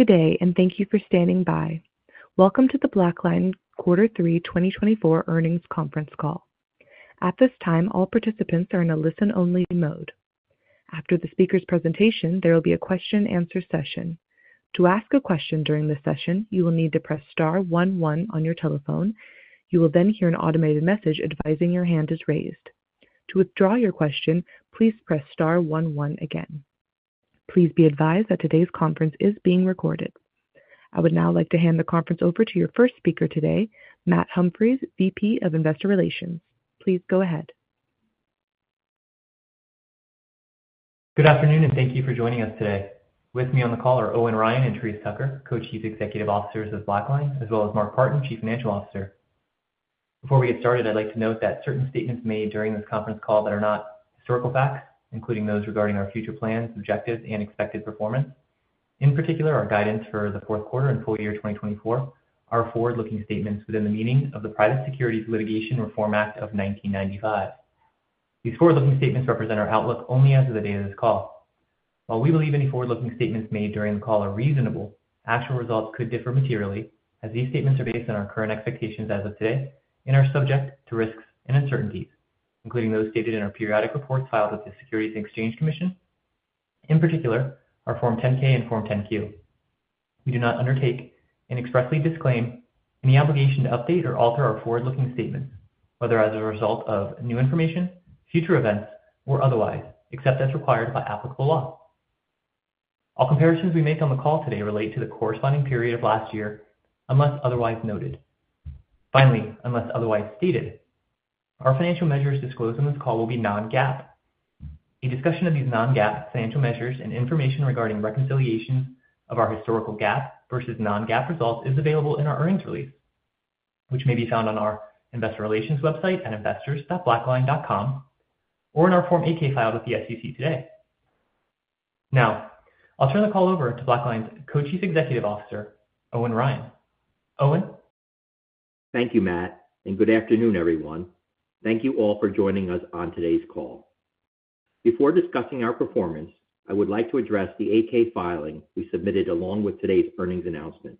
Good day, and thank you for standing by. Welcome to the BlackLine quarter three 2024 earnings conference call. At this time, all participants are in a listen-only mode. After the speaker's presentation, there will be a question-and-answer session. To ask a question during this session, you will need to press star 11 on your telephone. You will then hear an automated message advising your hand is raised. To withdraw your question, please press star 11 again. Please be advised that today's conference is being recorded. I would now like to hand the conference over to your first speaker today, Matt Humphries, VP of Investor Relations. Please go ahead. Good afternoon, and thank you for joining us today. With me on the call are Owen Ryan and Therese Tucker, Co-Chief Executive Officers of BlackLine, as well as Mark Partin, Chief Financial Officer. Before we get started, I'd like to note that certain statements made during this conference call that are not historical facts, including those regarding our future plans, objectives, and expected performance. In particular, our guidance for the fourth quarter and full year 2024 are forward-looking statements within the meaning of the Private Securities Litigation Reform Act of 1995. These forward-looking statements represent our outlook only as of the day of this call. While we believe any forward-looking statements made during the call are reasonable, actual results could differ materially, as these statements are based on our current expectations as of today and are subject to risks and uncertainties, including those stated in our periodic reports filed with the Securities and Exchange Commission. In particular, our Form 10-K and Form 10-Q. We do not undertake and expressly disclaim any obligation to update or alter our forward-looking statements, whether as a result of new information, future events, or otherwise, except as required by applicable law. All comparisons we make on the call today relate to the corresponding period of last year, unless otherwise noted. Finally, unless otherwise stated, our financial measures disclosed on this call will be non-GAAP. A discussion of these non-GAAP financial measures and information regarding reconciliations of our historical GAAP versus non-GAAP results is available in our earnings release, which may be found on our Investor Relations website at investors.blackline.com or in our Form 8-K filed with the SEC today. Now, I'll turn the call over to BlackLine's Co-Chief Executive Officer, Owen Ryan. Owen. Thank you, Matt, and good afternoon, everyone. Thank you all for joining us on today's call. Before discussing our performance, I would like to address the 8-K filing we submitted along with today's earnings announcement.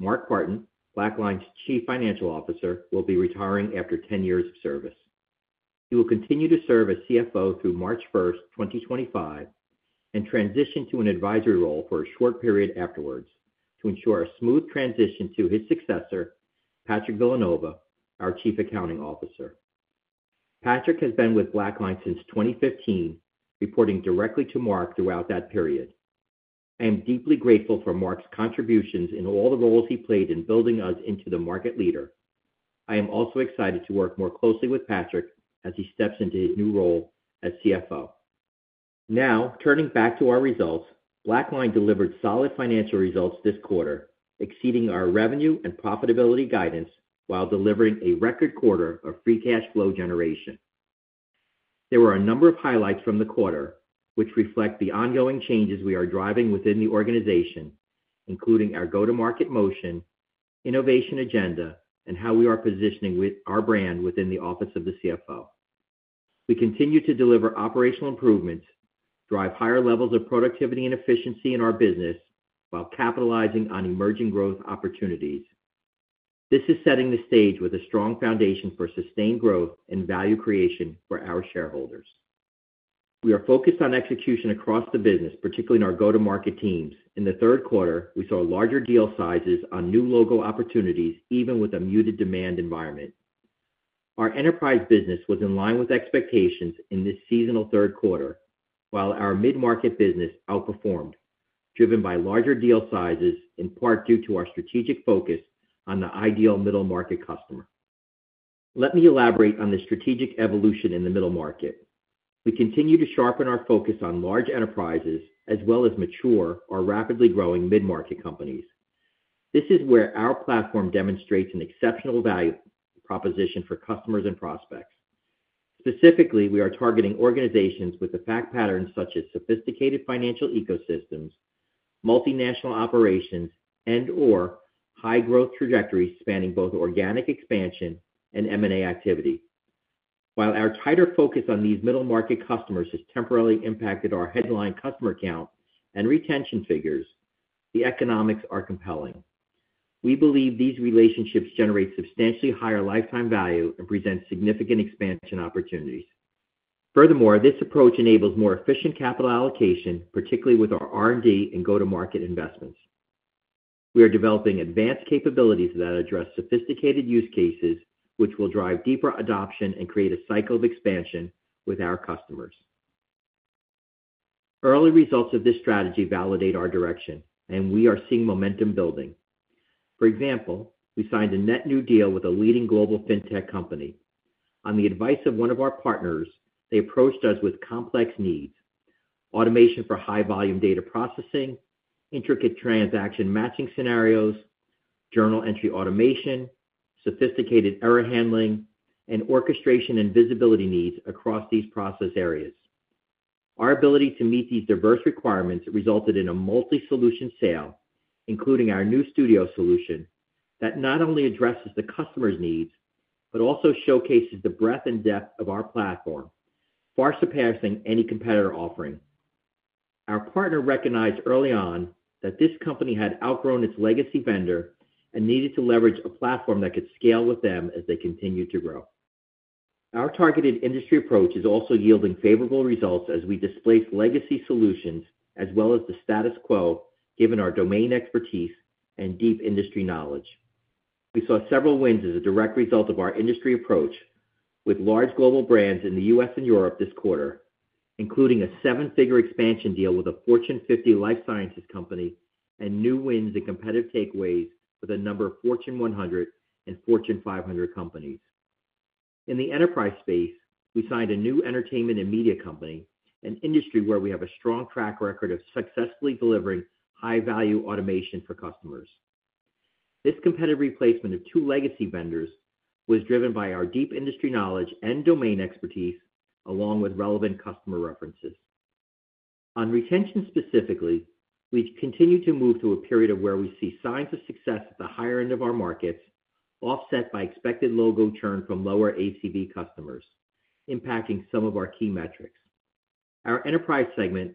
Mark Partin, BlackLine's Chief Financial Officer, will be retiring after 10 years of service. He will continue to serve as CFO through March 1, 2025, and transition to an advisory role for a short period afterwards to ensure a smooth transition to his successor, Patrick Villanova, our Chief Accounting Officer. Patrick has been with BlackLine since 2015, reporting directly to Mark throughout that period. I am deeply grateful for Mark's contributions in all the roles he played in building us into the market leader. I am also excited to work more closely with Patrick as he steps into his new role as CFO. Now, turning back to our results, BlackLine delivered solid financial results this quarter, exceeding our revenue and profitability guidance while delivering a record quarter of free cash flow generation. There were a number of highlights from the quarter, which reflect the ongoing changes we are driving within the organization, including our go-to-market motion, innovation agenda, and how we are positioning our brand within the office of the CFO. We continue to deliver operational improvements, drive higher levels of productivity and efficiency in our business, while capitalizing on emerging growth opportunities. This is setting the stage with a strong foundation for sustained growth and value creation for our shareholders. We are focused on execution across the business, particularly in our go-to-market teams. In the third quarter, we saw larger deal sizes on new logo opportunities, even with a muted demand environment. Our enterprise business was in line with expectations in this seasonal third quarter, while our mid-market business outperformed, driven by larger deal sizes, in part due to our strategic focus on the ideal middle-market customer. Let me elaborate on the strategic evolution in the middle market. We continue to sharpen our focus on large enterprises as well as mature our rapidly growing mid-market companies. This is where our platform demonstrates an exceptional value proposition for customers and prospects. Specifically, we are targeting organizations with the fact patterns such as sophisticated financial ecosystems, multinational operations, and/or high-growth trajectories spanning both organic expansion and M&A activity. While our tighter focus on these middle-market customers has temporarily impacted our headline customer count and retention figures, the economics are compelling. We believe these relationships generate substantially higher lifetime value and present significant expansion opportunities. Furthermore, this approach enables more efficient capital allocation, particularly with our R&D and go-to-market investments. We are developing advanced capabilities that address sophisticated use cases, which will drive deeper adoption and create a cycle of expansion with our customers. Early results of this strategy validate our direction, and we are seeing momentum building. For example, we signed a net new deal with a leading global fintech company. On the advice of one of our partners, they approached us with complex needs: automation for high-volume data processing, intricate Transaction Matching scenarios, journal entry automation, sophisticated error handling, and orchestration and visibility needs across these process areas. Our ability to meet these diverse requirements resulted in a multi-solution sale, including our new Studio solution, that not only addresses the customer's needs but also showcases the breadth and depth of our platform, far surpassing any competitor offering. Our partner recognized early on that this company had outgrown its legacy vendor and needed to leverage a platform that could scale with them as they continued to grow. Our targeted industry approach is also yielding favorable results as we displace legacy solutions as well as the status quo, given our domain expertise and deep industry knowledge. We saw several wins as a direct result of our industry approach with large global brands in the U.S. and Europe this quarter, including a seven-figure expansion deal with a Fortune 50 life sciences company and new wins in competitive takeaways with a number of Fortune 100 and Fortune 500 companies. In the enterprise space, we signed a new entertainment and media company, an industry where we have a strong track record of successfully delivering high-value automation for customers. This competitive replacement of two legacy vendors was driven by our deep industry knowledge and domain expertise, along with relevant customer references. On retention specifically, we continue to move to a period of where we see signs of success at the higher end of our markets, offset by expected logo churn from lower ACV customers, impacting some of our key metrics. Our enterprise segment,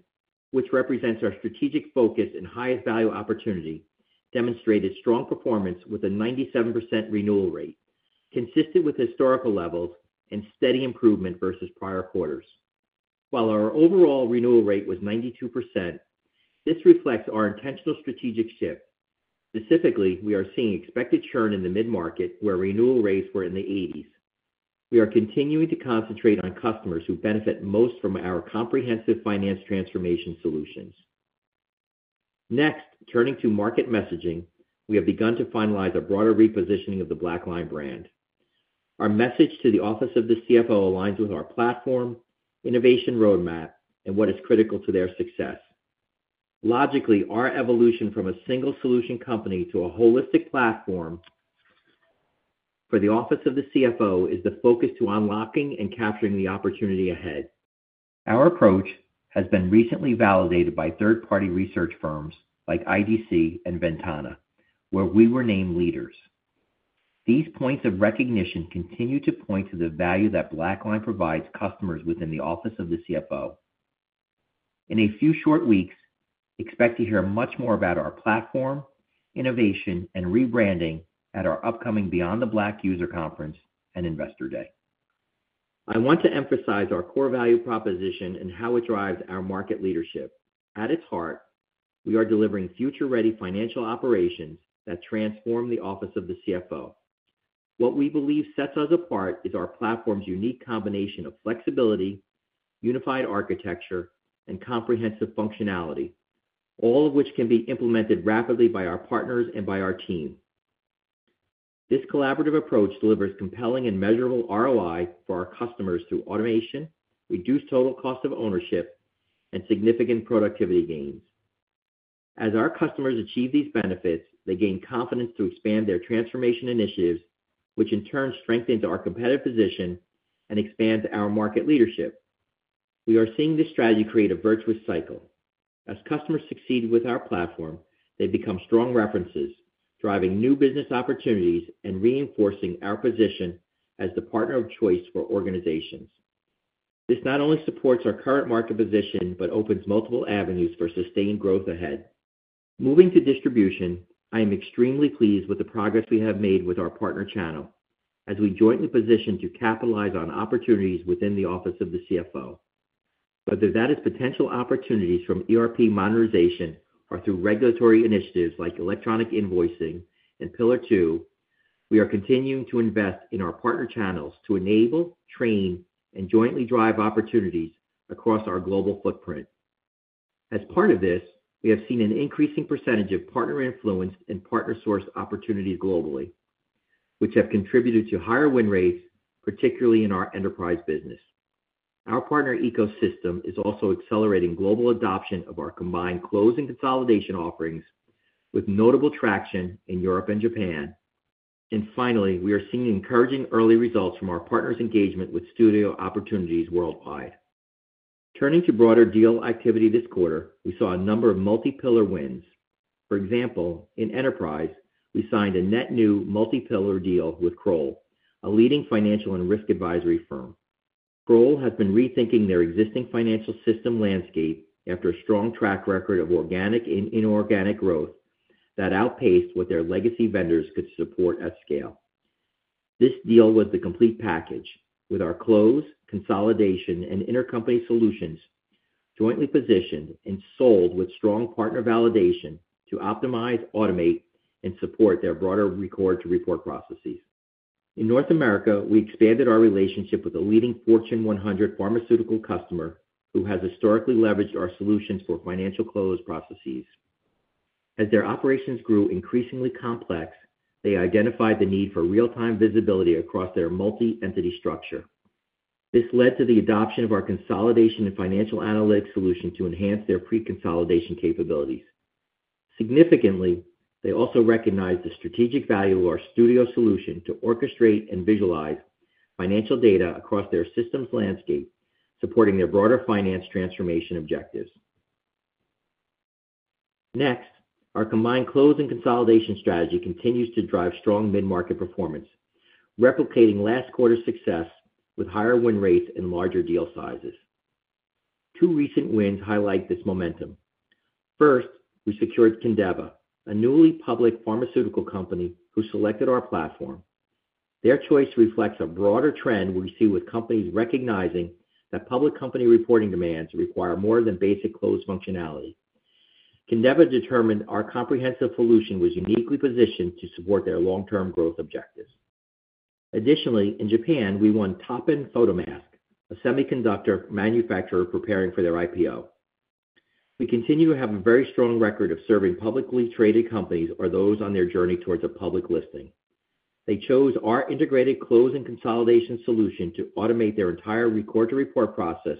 which represents our strategic focus and highest value opportunity, demonstrated strong performance with a 97% renewal rate, consistent with historical levels and steady improvement versus prior quarters. While our overall renewal rate was 92%, this reflects our intentional strategic shift. Specifically, we are seeing expected churn in the mid-market, where renewal rates were in the 80s%. We are continuing to concentrate on customers who benefit most from our comprehensive finance transformation solutions. Next, turning to market messaging, we have begun to finalize a broader repositioning of the BlackLine brand. Our message to the office of the CFO aligns with our platform, innovation roadmap, and what is critical to their success. Logically, our evolution from a single solution company to a holistic platform for the office of the CFO is the focus to unlocking and capturing the opportunity ahead. Our approach has been recently validated by third-party research firms like IDC and Ventana, where we were named leaders. These points of recognition continue to point to the value that BlackLine provides customers within the office of the CFO. In a few short weeks, expect to hear much more about our platform, innovation, and rebranding at our upcoming Beyond the Black User Conference and Investor Day. I want to emphasize our core value proposition and how it drives our market leadership. At its heart, we are delivering future-ready financial operations that transform the office of the CFO. What we believe sets us apart is our platform's unique combination of flexibility, unified architecture, and comprehensive functionality, all of which can be implemented rapidly by our partners and by our team. This collaborative approach delivers compelling and measurable ROI for our customers through automation, reduced total cost of ownership, and significant productivity gains. As our customers achieve these benefits, they gain confidence to expand their transformation initiatives, which in turn strengthens our competitive position and expands our market leadership. We are seeing this strategy create a virtuous cycle. As customers succeed with our platform, they become strong references, driving new business opportunities and reinforcing our position as the partner of choice for organizations. This not only supports our current market position but opens multiple avenues for sustained growth ahead. Moving to distribution, I am extremely pleased with the progress we have made with our partner channel as we jointly position to capitalize on opportunities within the office of the CFO. Whether that is potential opportunities from ERP monetization or through regulatory initiatives like electronic invoicing and Pillar Two, we are continuing to invest in our partner channels to enable, train, and jointly drive opportunities across our global footprint. As part of this, we have seen an increasing percentage of partner-influenced and partner-sourced opportunities globally, which have contributed to higher win rates, particularly in our enterprise business. Our partner ecosystem is also accelerating global adoption of our combined close and consolidation offerings with notable traction in Europe and Japan. Finally, we are seeing encouraging early results from our partners' engagement with Studio opportunities worldwide. Turning to broader deal activity this quarter, we saw a number of multi-pillar wins. For example, in enterprise, we signed a net new multi-pillar deal with Kroll, a leading financial and risk advisory firm. Kroll has been rethinking their existing financial system landscape after a strong track record of organic and inorganic growth that outpaced what their legacy vendors could support at scale. This deal was the complete package, with our close, consolidation, and Intercompany solutions jointly positioned and sold with strong partner validation to optimize, automate, and support their broader record-to-report processes. In North America, we expanded our relationship with a leading Fortune 100 pharmaceutical customer who has historically leveraged our solutions for financial close processes. As their operations grew increasingly complex, they identified the need for real-time visibility across their multi-entity structure. This led to the adoption of our consolidation and financial analytics solution to enhance their pre-consolidation capabilities. Significantly, they also recognized the strategic value of our Studio solution to orchestrate and visualize financial data across their systems landscape, supporting their broader finance transformation objectives. Next, our combined close and consolidation strategy continues to drive strong mid-market performance, replicating last quarter's success with higher win rates and larger deal sizes. Two recent wins highlight this momentum. First, we secured Kindeva, a newly public pharmaceutical company who selected our platform. Their choice reflects a broader trend we see with companies recognizing that public company reporting demands require more than basic close functionality. Kindeva determined our comprehensive solution was uniquely positioned to support their long-term growth objectives. Additionally, in Japan, we won Toppan Photomask, a semiconductor manufacturer preparing for their IPO. We continue to have a very strong record of serving publicly traded companies or those on their journey towards a public listing. They chose our integrated close and consolidation solution to automate their entire record-to-report process,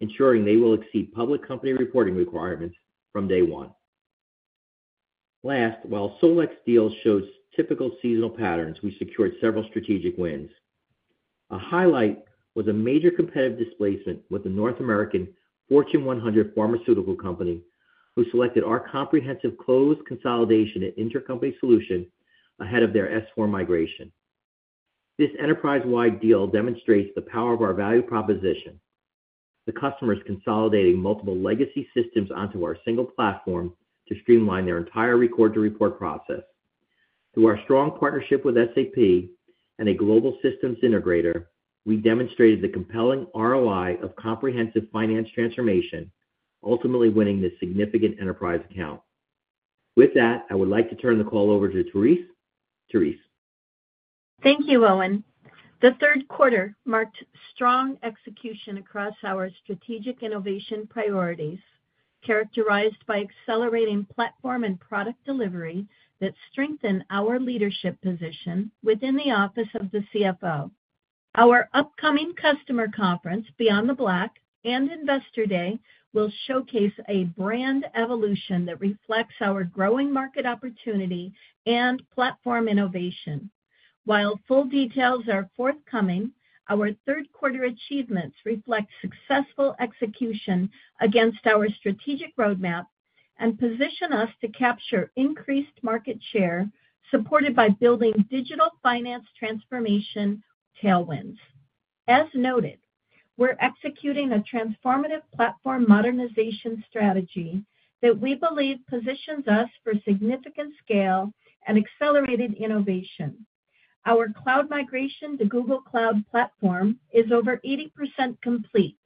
ensuring they will exceed public company reporting requirements from day one. Last, while Solex deals showed typical seasonal patterns, we secured several strategic wins. A highlight was a major competitive displacement with the North American Fortune 100 pharmaceutical company who selected our comprehensive close consolidation and Intercompany solution ahead of their S/4 migration. This enterprise-wide deal demonstrates the power of our value proposition: the customers consolidating multiple legacy systems onto our single platform to streamline their entire record-to-report process. Through our strong partnership with SAP and a global systems integrator, we demonstrated the compelling ROI of comprehensive finance transformation, ultimately winning this significant enterprise account. With that, I would like to turn the call over to Therese. Therese. Thank you, Owen. The third quarter marked strong execution across our strategic innovation priorities, characterized by accelerating platform and product delivery that strengthen our leadership position within the office of the CFO. Our upcoming customer conference, Beyond the Black and Investor Day, will showcase a brand evolution that reflects our growing market opportunity and platform innovation. While full details are forthcoming, our third-quarter achievements reflect successful execution against our strategic roadmap and position us to capture increased market share supported by building digital finance transformation tailwinds. As noted, we're executing a transformative platform modernization strategy that we believe positions us for significant scale and accelerated innovation. Our cloud migration to Google Cloud Platform is over 80% complete,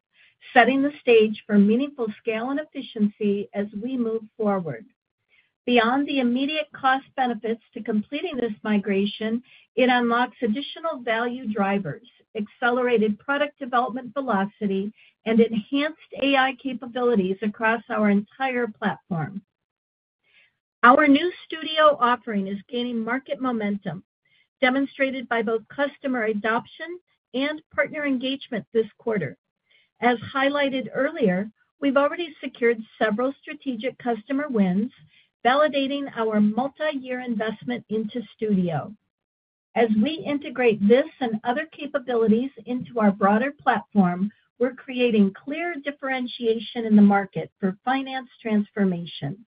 setting the stage for meaningful scale and efficiency as we move forward. Beyond the immediate cost benefits to completing this migration, it unlocks additional value drivers, accelerated product development velocity, and enhanced AI capabilities across our entire platform. Our new Studio offering is gaining market momentum, demonstrated by both customer adoption and partner engagement this quarter. As highlighted earlier, we've already secured several strategic customer wins, validating our multi-year investment into Studio. As we integrate this and other capabilities into our broader platform, we're creating clear differentiation in the market for finance transformation.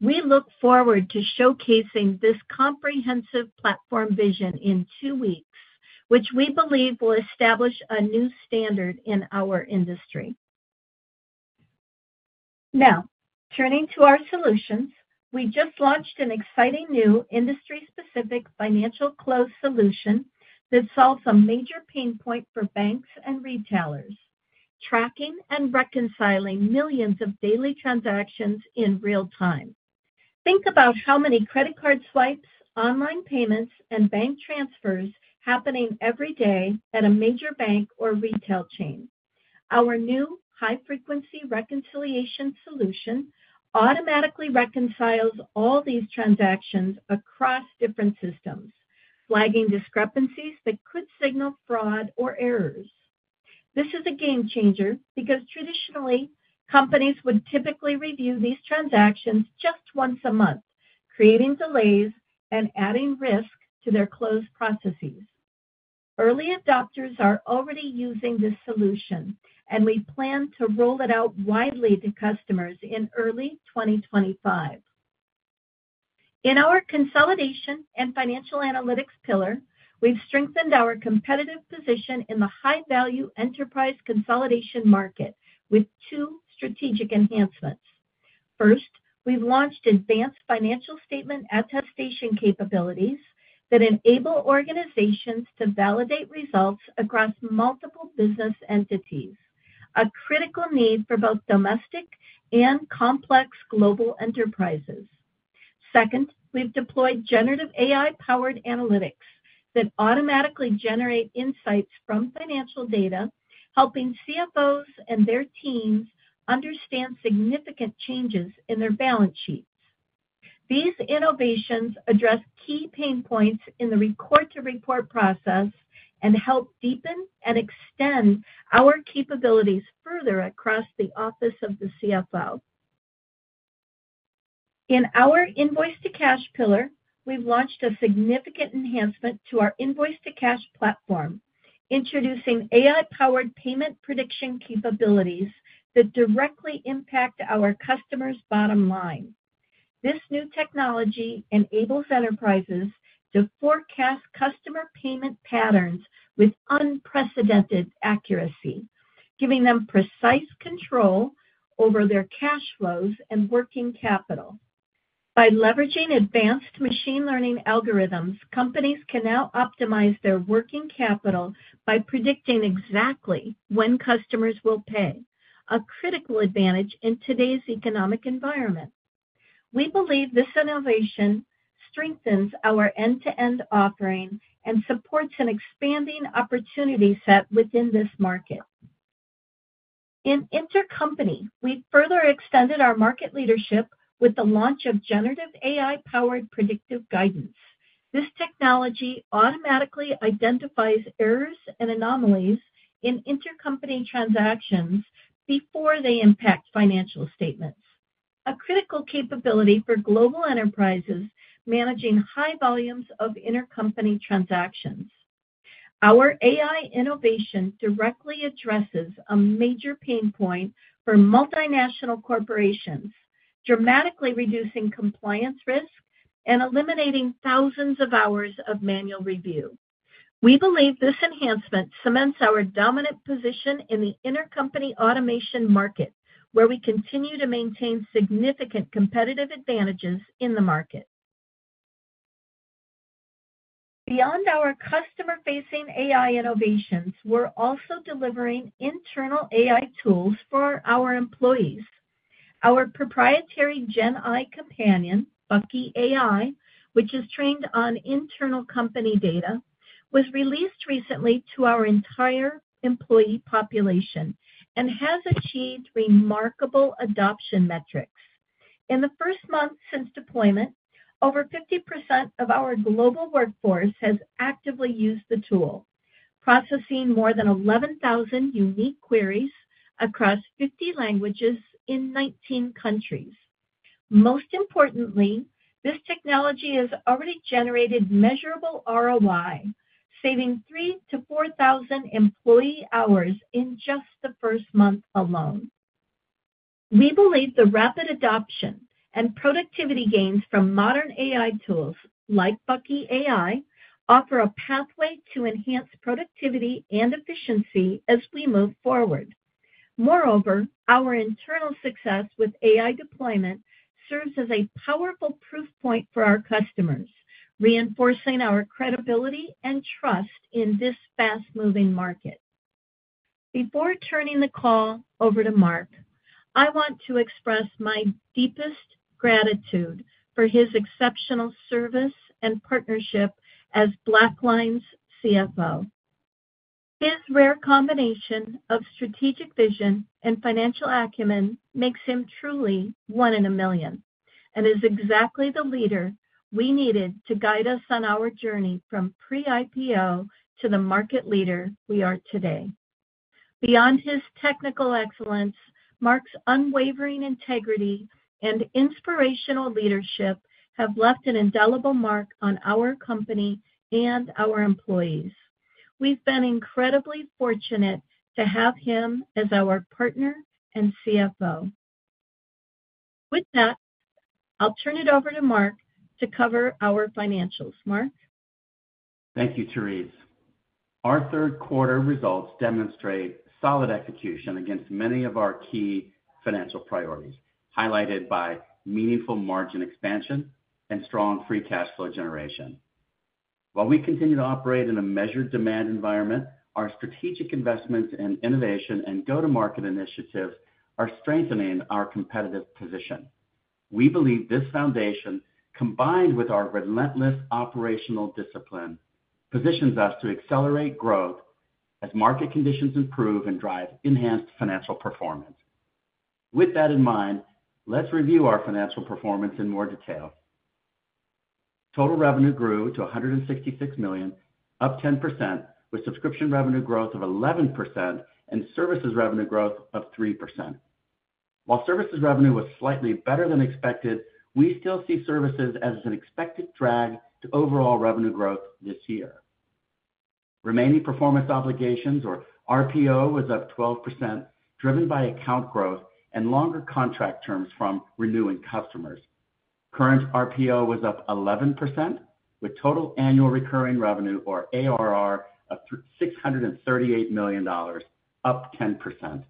We look forward to showcasing this comprehensive platform vision in two weeks, which we believe will establish a new standard in our industry. Now, turning to our solutions, we just launched an exciting new industry-specific Financial Close solution that solves a major pain point for banks and retailers: tracking and reconciling millions of daily transactions in real time. Think about how many credit card swipes, online payments, and bank transfers happening every day at a major bank or retail chain. Our new high-frequency reconciliation solution automatically reconciles all these transactions across different systems, flagging discrepancies that could signal fraud or errors. This is a game changer because traditionally, companies would typically review these transactions just once a month, creating delays and adding risk to their close processes. Early adopters are already using this solution, and we plan to roll it out widely to customers in early 2025. In our Consolidation and Financial Analytics pillar, we've strengthened our competitive position in the high-value enterprise consolidation market with two strategic enhancements. First, we've launched advanced financial statement attestation capabilities that enable organizations to validate results across multiple business entities, a critical need for both domestic and complex global enterprises. Second, we've deployed generative AI-powered analytics that automatically generate insights from financial data, helping CFOs and their teams understand significant changes in their balance sheets. These innovations address key pain points in the Record-to-Report process and help deepen and extend our capabilities further across the office of the CFO. In our Invoice-to-Cash pillar, we've launched a significant enhancement to our Invoice-to-Cash platform, introducing AI-powered payment prediction capabilities that directly impact our customers' bottom line. This new technology enables enterprises to forecast customer payment patterns with unprecedented accuracy, giving them precise control over their cash flows and working capital. By leveraging advanced machine learning algorithms, companies can now optimize their working capital by predicting exactly when customers will pay, a critical advantage in today's economic environment. We believe this innovation strengthens our end-to-end offering and supports an expanding opportunity set within this market. In Intercompany. We've further extended our market leadership with the launch of generative AI-powered predictive guidance. This technology automatically identifies errors and anomalies in Intercompany transactions before they impact financial statements, a critical capability for global enterprises managing high volumes of Intercompany transactions. Our AI innovation directly addresses a major pain point for multinational corporations, dramatically reducing compliance risk and eliminating thousands of hours of manual review. We believe this enhancement cements our dominant position in the Intercompany automation market, where we continue to maintain significant competitive advantages in the market. Beyond our customer-facing AI innovations, we're also delivering internal AI tools for our employees. Our proprietary GenAI companion, Bucky AI, which is trained on internal company data, was released recently to our entire employee population and has achieved remarkable adoption metrics. In the first month since deployment, over 50% of our global workforce has actively used the tool, processing more than 11,000 unique queries across 50 languages in 19 countries. Most importantly, this technology has already generated measurable ROI, saving 3,000-4,000 employee hours in just the first month alone. We believe the rapid adoption and productivity gains from modern AI tools like Bucky AI offer a pathway to enhance productivity and efficiency as we move forward. Moreover, our internal success with AI deployment serves as a powerful proof point for our customers, reinforcing our credibility and trust in this fast-moving market. Before turning the call over to Mark, I want to express my deepest gratitude for his exceptional service and partnership as BlackLine's CFO. His rare combination of strategic vision and financial acumen makes him truly one in a million and is exactly the leader we needed to guide us on our journey from pre-IPO to the market leader we are today. Beyond his technical excellence, Mark's unwavering integrity and inspirational leadership have left an indelible mark on our company and our employees. We've been incredibly fortunate to have him as our partner and CFO. With that, I'll turn it over to Mark to cover our financials. Mark. Thank you, Therese. Our third-quarter results demonstrate solid execution against many of our key financial priorities, highlighted by meaningful margin expansion and strong free cash flow generation. While we continue to operate in a measured demand environment, our strategic investments in innovation and go-to-market initiatives are strengthening our competitive position. We believe this foundation, combined with our relentless operational discipline, positions us to accelerate growth as market conditions improve and drive enhanced financial performance. With that in mind, let's review our financial performance in more detail. Total revenue grew to $166 million, up 10%, with subscription revenue growth of 11% and services revenue growth of 3%. While services revenue was slightly better than expected, we still see services as an expected drag to overall revenue growth this year. Remaining performance obligations, or RPO, was up 12%, driven by account growth and longer contract terms from renewing customers. Current RPO was up 11%, with total annual recurring revenue, or ARR, of $638 million, up 10%.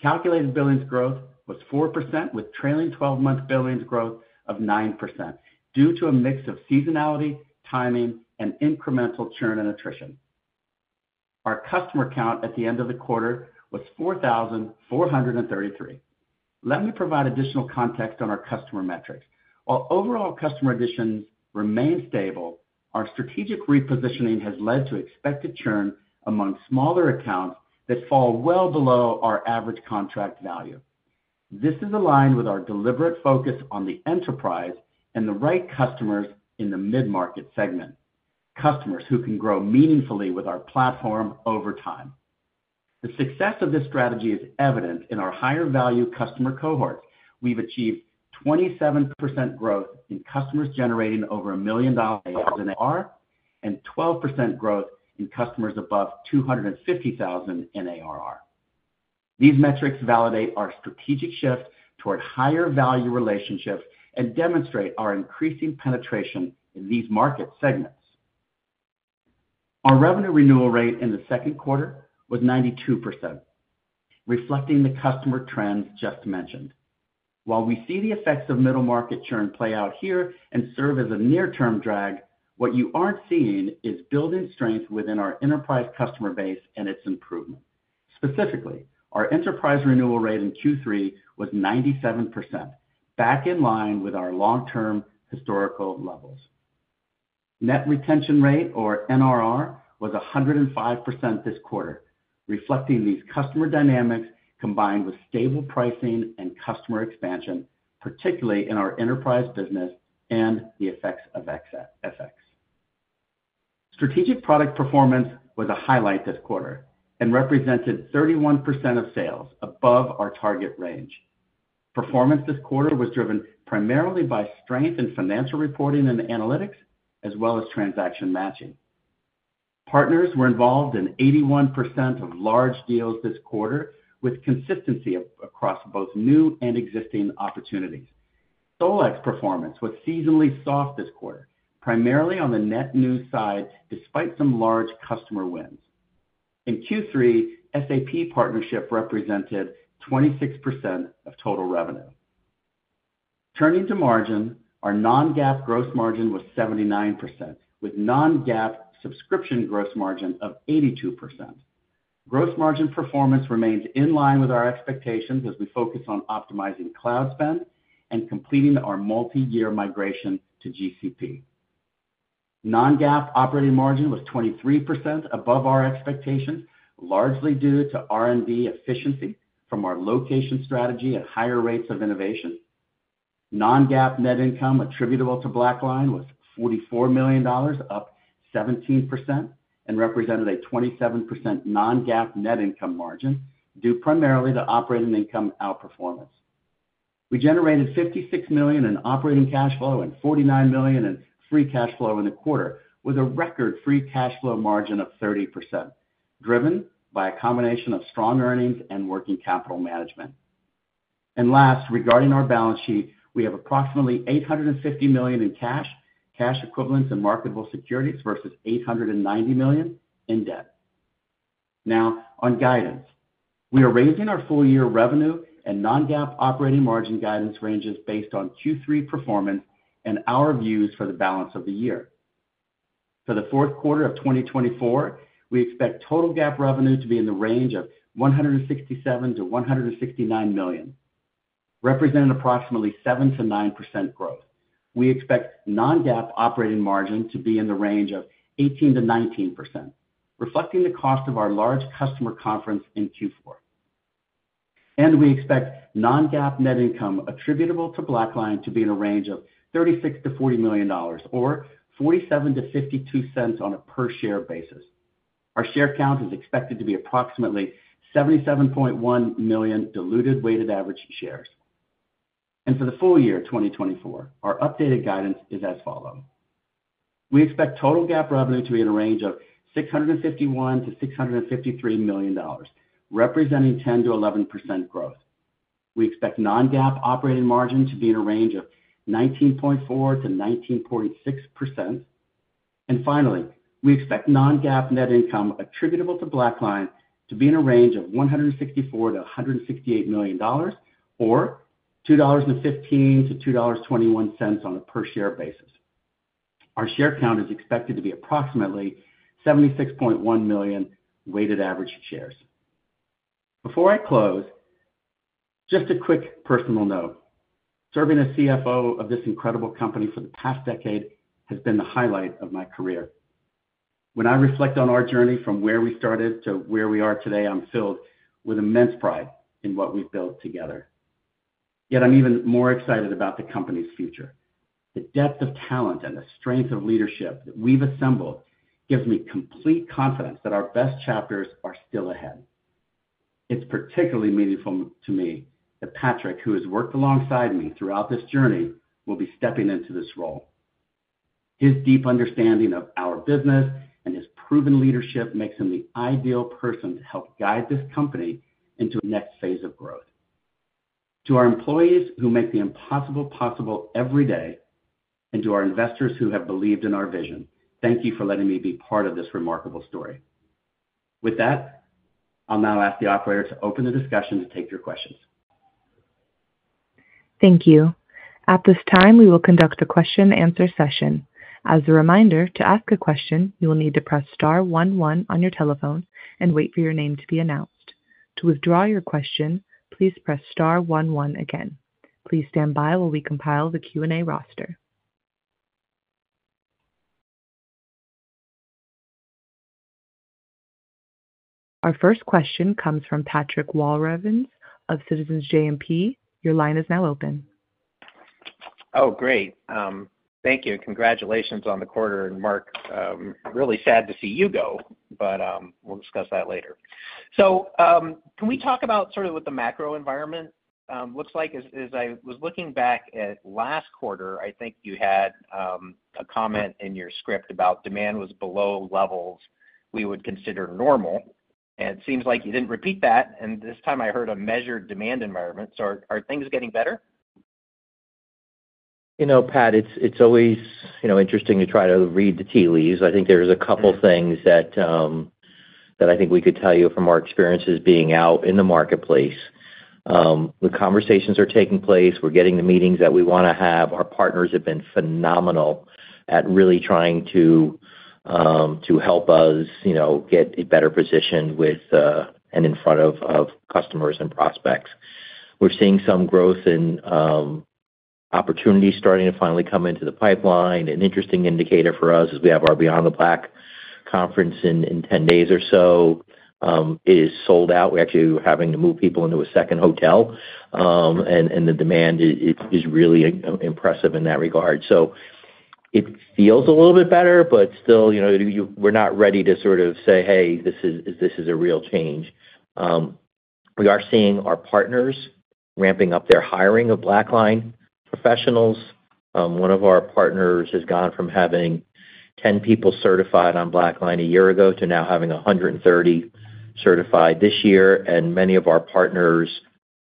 Calculated billings growth was 4%, with trailing 12-month billings growth of 9%, due to a mix of seasonality, timing, and incremental churn and attrition. Our customer count at the end of the quarter was 4,433. Let me provide additional context on our customer metrics. While overall customer additions remain stable, our strategic repositioning has led to expected churn among smaller accounts that fall well below our average contract value. This is aligned with our deliberate focus on the enterprise and the right customers in the mid-market segment, customers who can grow meaningfully with our platform over time. The success of this strategy is evident in our higher-value customer cohorts. We've achieved 27% growth in customers generating over $1 million in ARR and 12% growth in customers above $250,000 in ARR. These metrics validate our strategic shift toward higher value relationships and demonstrate our increasing penetration in these market segments. Our revenue renewal rate in the second quarter was 92%, reflecting the customer trends just mentioned. While we see the effects of middle-market churn play out here and serve as a near-term drag, what you aren't seeing is building strength within our enterprise customer base and its improvement. Specifically, our enterprise renewal rate in Q3 was 97%, back in line with our long-term historical levels. Net retention rate, or NRR, was 105% this quarter, reflecting these customer dynamics combined with stable pricing and customer expansion, particularly in our enterprise business and the effects of FX. Strategic product performance was a highlight this quarter and represented 31% of sales above our target range. Performance this quarter was driven primarily by strength in financial reporting and analytics, as well as Transaction Matching. Partners were involved in 81% of large deals this quarter, with consistency across both new and existing opportunities. Solex performance was seasonally soft this quarter, primarily on the net news side despite some large customer wins. In Q3, SAP partnership represented 26% of total revenue. Turning to margin, our non-GAAP gross margin was 79%, with non-GAAP subscription gross margin of 82%. Gross margin performance remains in line with our expectations as we focus on optimizing cloud spend and completing our multi-year migration to GCP. Non-GAAP operating margin was 23% above our expectations, largely due to R&D efficiency from our location strategy and higher rates of innovation. Non-GAAP net income attributable to BlackLine was $44 million, up 17%, and represented a 27% non-GAAP net income margin due primarily to operating income outperformance. We generated $56 million in operating cash flow and $49 million in free cash flow in the quarter, with a record free cash flow margin of 30%, driven by a combination of strong earnings and working capital management. Last, regarding our balance sheet, we have approximately $850 million in cash, cash equivalents, and marketable securities versus $890 million in debt. Now, on guidance, we are raising our full-year revenue and non-GAAP operating margin guidance ranges based on Q3 performance and our views for the balance of the year. For the fourth quarter of 2024, we expect total GAAP revenue to be in the range of $167 million-$169 million, representing approximately 7%-9% growth. We expect non-GAAP operating margin to be in the range of 18%-19%, reflecting the cost of our large customer conference in Q4. We expect non-GAAP net income attributable to BlackLine to be in a range of $36 million-$40 million, or $0.47-$0.52 on a per-share basis. Our share count is expected to be approximately 77.1 million diluted weighted average shares. For the full year 2024, our updated guidance is as follows. We expect total GAAP revenue to be in a range of $651 million-$653 million, representing 10%-11% growth. We expect non-GAAP operating margin to be in a range of 19.4%-19.6%. And finally, we expect non-GAAP net income attributable to BlackLine to be in a range of $164 million-$168 million, or $2.15-$2.21 on a per-share basis. Our share count is expected to be approximately 76.1 million weighted average shares. Before I close, just a quick personal note. Serving as CFO of this incredible company for the past decade has been the highlight of my career. When I reflect on our journey from where we started to where we are today, I'm filled with immense pride in what we've built together. Yet I'm even more excited about the company's future. The depth of talent and the strength of leadership that we've assembled gives me complete confidence that our best chapters are still ahead. It's particularly meaningful to me that Patrick, who has worked alongside me throughout this journey, will be stepping into this role. His deep understanding of our business and his proven leadership makes him the ideal person to help guide this company into the next phase of growth. To our employees who make the impossible possible every day, and to our investors who have believed in our vision, thank you for letting me be part of this remarkable story. With that, I'll now ask the operator to open the discussion to take your questions. Thank you. At this time, we will conduct a question-and-answer session. As a reminder, to ask a question, you will need to press star 11 on your telephone and wait for your name to be announced. To withdraw your question, please press star 11 again. Please stand by while we compile the Q&A roster. Our first question comes from Patrick Walravens of Citizens JMP. Your line is now open. Oh, great. Thank you. Congratulations on the quarter. And Mark, really sad to see you go, but we'll discuss that later. So can we talk about sort of what the macro environment looks like? As I was looking back at last quarter, I think you had a comment in your script about demand was below levels we would consider normal. And it seems like you didn't repeat that. And this time I heard a measured demand environment. So are things getting better? You know, Pat, it's always interesting to try to read the tea leaves. I think there's a couple of things that I think we could tell you from our experiences being out in the marketplace. The conversations are taking place. We're getting the meetings that we want to have. Our partners have been phenomenal at really trying to help us get a better position and in front of customers and prospects. We're seeing some growth in opportunities starting to finally come into the pipeline. An interesting indicator for us is we have our Beyond the Black conference in 10 days or so. It is sold out. We actually were having to move people into a second hotel, and the demand is really impressive in that regard. So it feels a little bit better, but still, we're not ready to sort of say, "Hey, this is a real change." We are seeing our partners ramping up their hiring of BlackLine professionals. One of our partners has gone from having 10 people certified on BlackLine a year ago to now having 130 certified this year. And many of our partners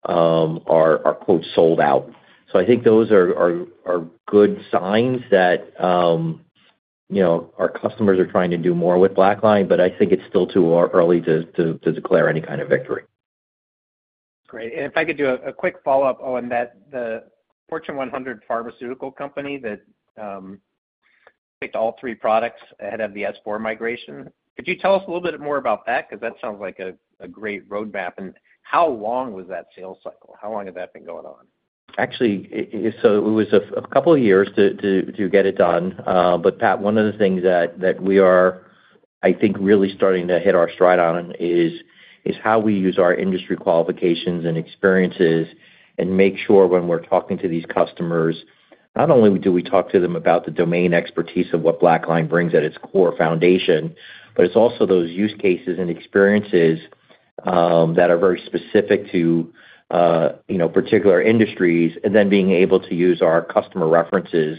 are "sold out." So I think those are good signs that our customers are trying to do more with BlackLine, but I think it's still too early to declare any kind of victory. Great. And if I could do a quick follow-up on that, the Fortune 100 pharmaceutical company that picked all three products ahead of the S/4 migration, could you tell us a little bit more about that? Because that sounds like a great roadmap. And how long was that sales cycle? How long has that been going on? Actually, so it was a couple of years to get it done, but Pat, one of the things that we are, I think, really starting to hit our stride on is how we use our industry qualifications and experiences and make sure when we're talking to these customers, not only do we talk to them about the domain expertise of what BlackLine brings at its core foundation, but it's also those use cases and experiences that are very specific to particular industries, and then being able to use our customer references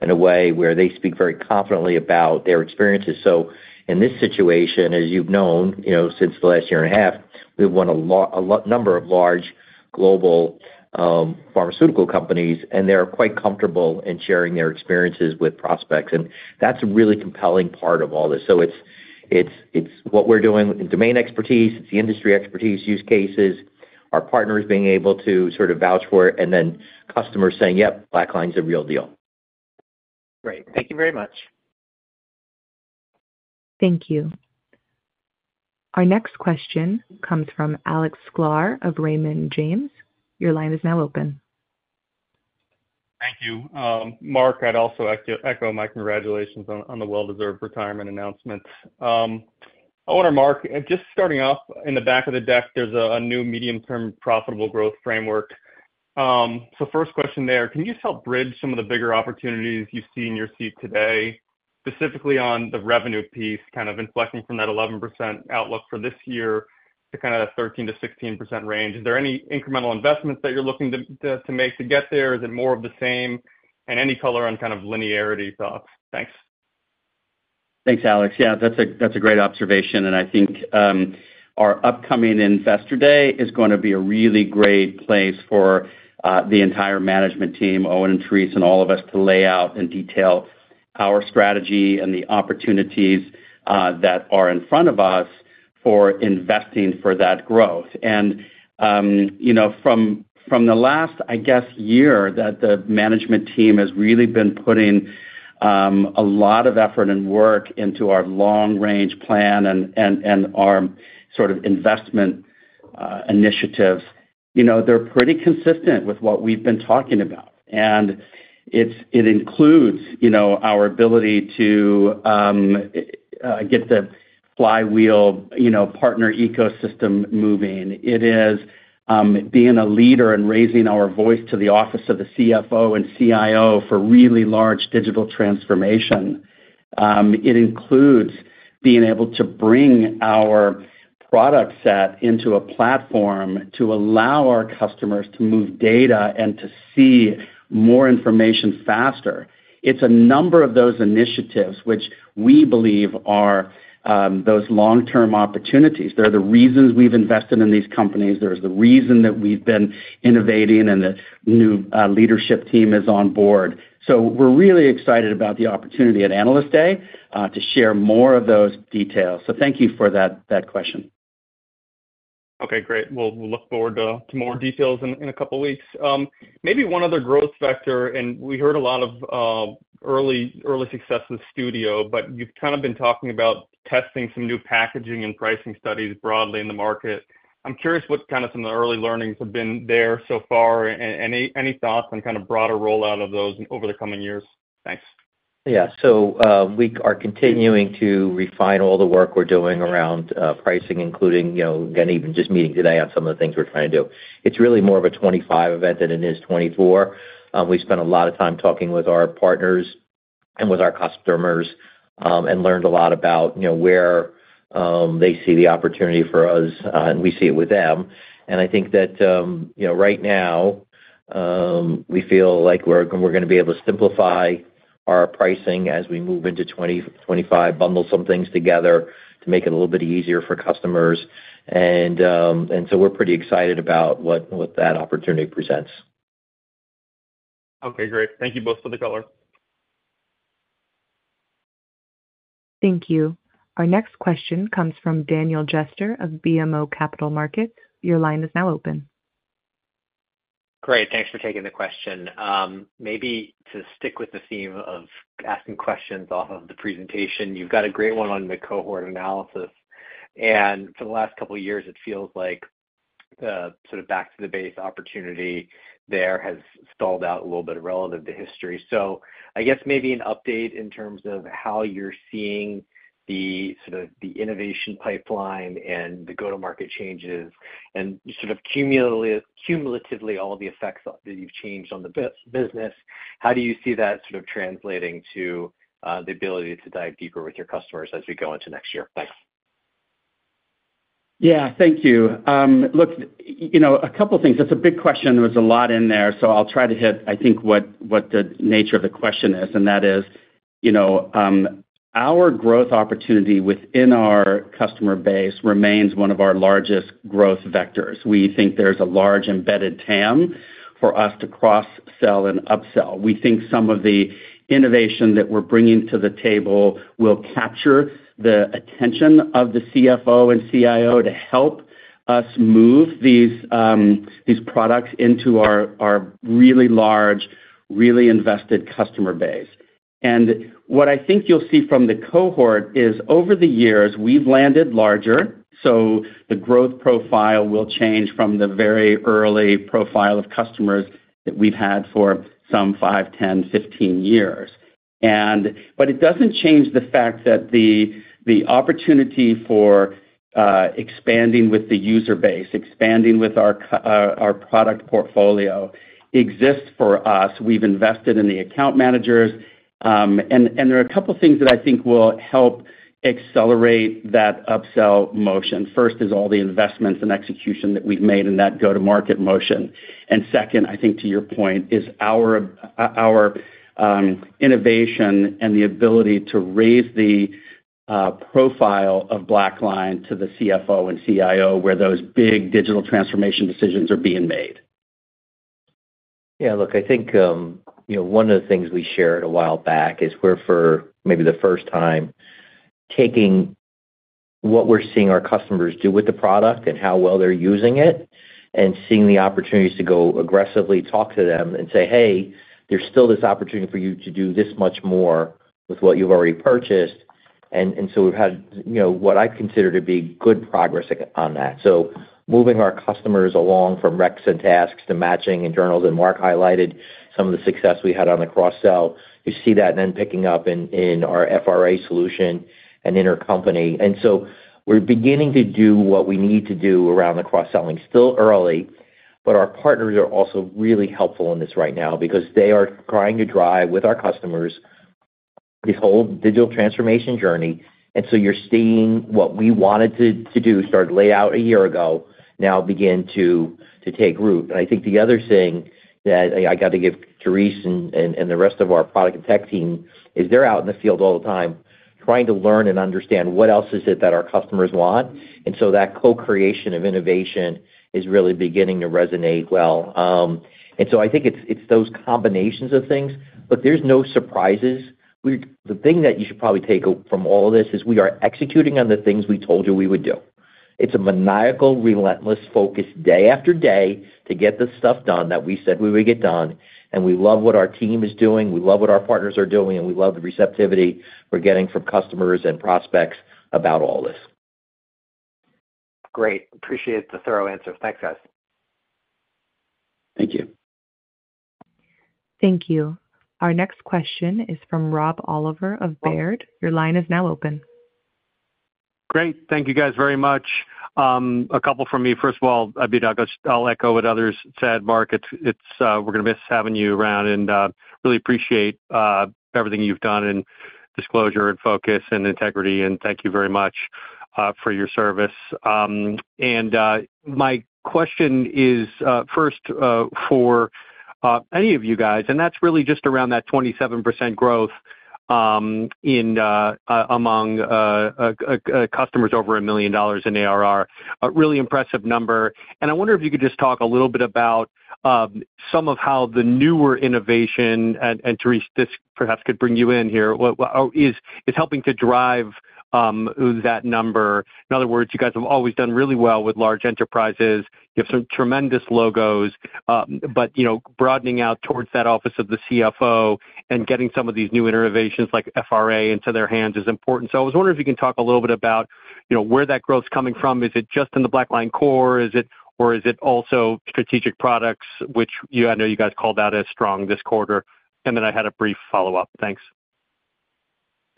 in a way where they speak very confidently about their experiences, so in this situation, as you've known since the last year and a half, we've won a number of large global pharmaceutical companies, and they're quite comfortable in sharing their experiences with prospects. That's a really compelling part of all this. So it's what we're doing in domain expertise. It's the industry expertise use cases, our partners being able to sort of vouch for it, and then customers saying, "Yep, BlackLine's a real deal." Great. Thank you very much. Thank you. Our next question comes from Alexander Sklar of Raymond James. Your line is now open. Thank you. Mark, I'd also echo my congratulations on the well-deserved retirement announcement. Owen, Mark, just starting off, in the back of the deck, there's a new medium-term profitable growth framework. So first question there, can you just help bridge some of the bigger opportunities you see in your seat today, specifically on the revenue piece, kind of inflecting from that 11% outlook for this year to kind of that 13%-16% range? Is there any incremental investments that you're looking to make to get there? Is it more of the same? And any color on kind of linearity thoughts? Thanks. Thanks, Alex. Yeah, that's a great observation, and I think our upcoming investor day is going to be a really great place for the entire management team, Owen and Therese, and all of us to lay out in detail our strategy and the opportunities that are in front of us for investing for that growth. From the last, I guess, year that the management team has really been putting a lot of effort and work into our long-range plan and our sort of investment initiatives, they're pretty consistent with what we've been talking about. It includes our ability to get the flywheel partner ecosystem moving. It is being a leader and raising our voice to the office of the CFO and CIO for really large digital transformation. It includes being able to bring our product set into a platform to allow our customers to move data and to see more information faster. It's a number of those initiatives which we believe are those long-term opportunities. They're the reasons we've invested in these companies. There's the reason that we've been innovating and the new leadership team is on board. So we're really excited about the opportunity at Analyst Day to share more of those details. So thank you for that question. Okay, great. We'll look forward to more details in a couple of weeks. Maybe one other growth factor, and we heard a lot of early success in the Studio, but you've kind of been talking about testing some new packaging and pricing studies broadly in the market. I'm curious what kind of some of the early learnings have been there so far. Any thoughts on kind of broader rollout of those over the coming years? Thanks. Yeah, so we are continuing to refine all the work we're doing around pricing, including again, even just meeting today on some of the things we're trying to do. It's really more of a 2025 event than it is 2024. We spent a lot of time talking with our partners and with our customers and learned a lot about where they see the opportunity for us, and we see it with them. And I think that right now, we feel like we're going to be able to simplify our pricing as we move into 2025, bundle some things together to make it a little bit easier for customers. And so we're pretty excited about what that opportunity presents. Okay, great. Thank you both for the color. Thank you. Our next question comes from Daniel Jester of BMO Capital Markets. Your line is now open. Great. Thanks for taking the question. Maybe to stick with the theme of asking questions off of the presentation, you've got a great one on the cohort analysis. And for the last couple of years, it feels like the sort of back-to-the-base opportunity there has stalled out a little bit relative to history. So, I guess maybe an update in terms of how you're seeing the sort of the innovation pipeline and the go-to-market changes and sort of cumulatively all the effects that you've changed on the business. How do you see that sort of translating to the ability to dive deeper with your customers as we go into next year? Thanks. Yeah, thank you. Look, a couple of things. That's a big question. There was a lot in there. So I'll try to hit, I think, what the nature of the question is. And that is our growth opportunity within our customer base remains one of our largest growth vectors. We think there's a large embedded TAM for us to cross-sell and upsell. We think some of the innovation that we're bringing to the table will capture the attention of the CFO and CIO to help us move these products into our really large, really invested customer base, and what I think you'll see from the cohort is over the years, we've landed larger, so the growth profile will change from the very early profile of customers that we've had for some five, 10, 15 years, but it doesn't change the fact that the opportunity for expanding with the user base, expanding with our product portfolio exists for us. We've invested in the account managers, and there are a couple of things that I think will help accelerate that upsell motion. First is all the investments and execution that we've made in that go-to-market motion. And second, I think to your point, is our innovation and the ability to raise the profile of BlackLine to the CFO and CIO where those big digital transformation decisions are being made. Yeah. Look, I think one of the things we shared a while back is we're, for maybe the first time, taking what we're seeing our customers do with the product and how well they're using it and seeing the opportunities to go aggressively talk to them and say, "Hey, there's still this opportunity for you to do this much more with what you've already purchased." And so we've had what I consider to be good progress on that. So moving our customers along from recs and tasks to matching and Journals and Mark highlighted some of the success we had on the cross-sell. You see that then picking up in our FRA solution and Intercompany. And so we're beginning to do what we need to do around the cross-selling. Still early, but our partners are also really helpful in this right now because they are trying to drive with our customers this whole digital transformation journey. And so you're seeing what we wanted to do, started to lay out a year ago, now begin to take root. And I think the other thing that I got to give Therese and the rest of our product and tech team is they're out in the field all the time trying to learn and understand what else is it that our customers want. And so that co-creation of innovation is really beginning to resonate well. And so I think it's those combinations of things. Look, there's no surprises. The thing that you should probably take from all of this is we are executing on the things we told you we would do. It's a maniacal, relentless focus day after day to get the stuff done that we said we would get done. And we love what our team is doing. We love what our partners are doing. And we love the receptivity we're getting from customers and prospects about all this. Great. Appreciate the thorough answer. Thanks, guys. Thank you. Thank you. Our next question is from Robert Oliver of Baird. Your line is now open. Great. Thank you, guys, very much. A couple from me. First of all, I'll be brief. I'll echo what others said, Mark. We're going to miss having you around. And really appreciate everything you've done in disclosure and focus and integrity. And thank you very much for your service. My question is first for any of you guys, and that's really just around that 27% growth among customers over $1 million in ARR. Really impressive number. I wonder if you could just talk a little bit about some of how the newer innovation, and Therese, this perhaps could bring you in here, is helping to drive that number. In other words, you guys have always done really well with large enterprises. You have some tremendous logos. But broadening out towards that office of the CFO and getting some of these new innovations like FRA into their hands is important. So I was wondering if you can talk a little bit about where that growth is coming from. Is it just in the BlackLine Core? Or is it also strategic products, which I know you guys called out as strong this quarter? And then I had a brief follow-up. Thanks.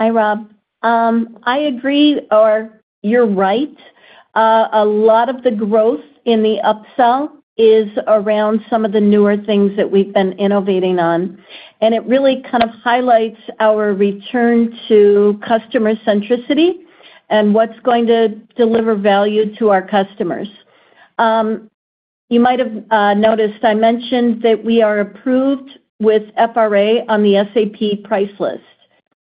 Hi, Rob. I agree, or you're right. A lot of the growth in the upsell is around some of the newer things that we've been innovating on. And it really kind of highlights our return to customer centricity and what's going to deliver value to our customers. You might have noticed I mentioned that we are approved with FRA on the SAP price list.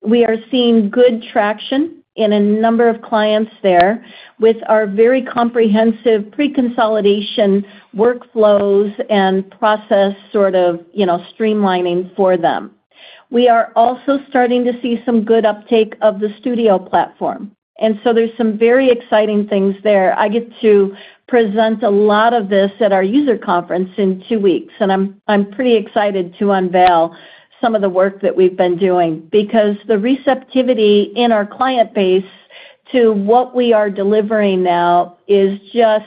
We are seeing good traction in a number of clients there with our very comprehensive pre-consolidation workflows and process sort of streamlining for them. We are also starting to see some good uptake of the Studio platform. And so there's some very exciting things there. I get to present a lot of this at our user conference in two weeks. And I'm pretty excited to unveil some of the work that we've been doing because the receptivity in our client base to what we are delivering now is just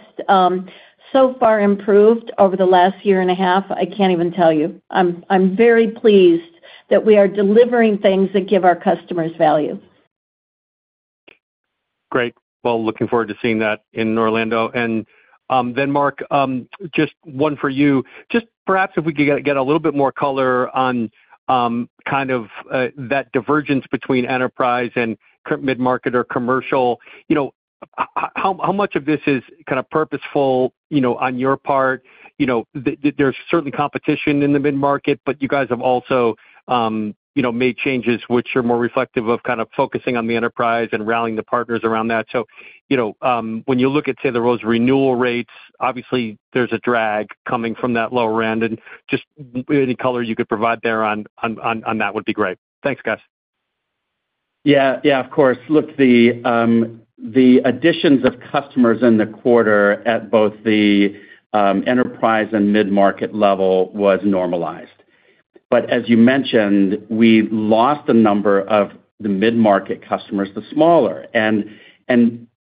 so far improved over the last year and a half. I can't even tell you. I'm very pleased that we are delivering things that give our customers value. Great. Well, looking forward to seeing that in Orlando. And then, Mark, just one for you. Just perhaps if we could get a little bit more color on kind of that divergence between enterprise and current mid-market or commercial. How much of this is kind of purposeful on your part? There's certainly competition in the mid-market, but you guys have also made changes which are more reflective of kind of focusing on the enterprise and rallying the partners around that. So when you look at, say, the RPO renewal rates, obviously, there's a drag coming from that lower end. And just any color you could provide there on that would be great. Thanks, guys. Yeah. Yeah, of course. Look, the additions of customers in the quarter at both the enterprise and mid-market level was normalized. But as you mentioned, we lost a number of the mid-market customers, the smaller. And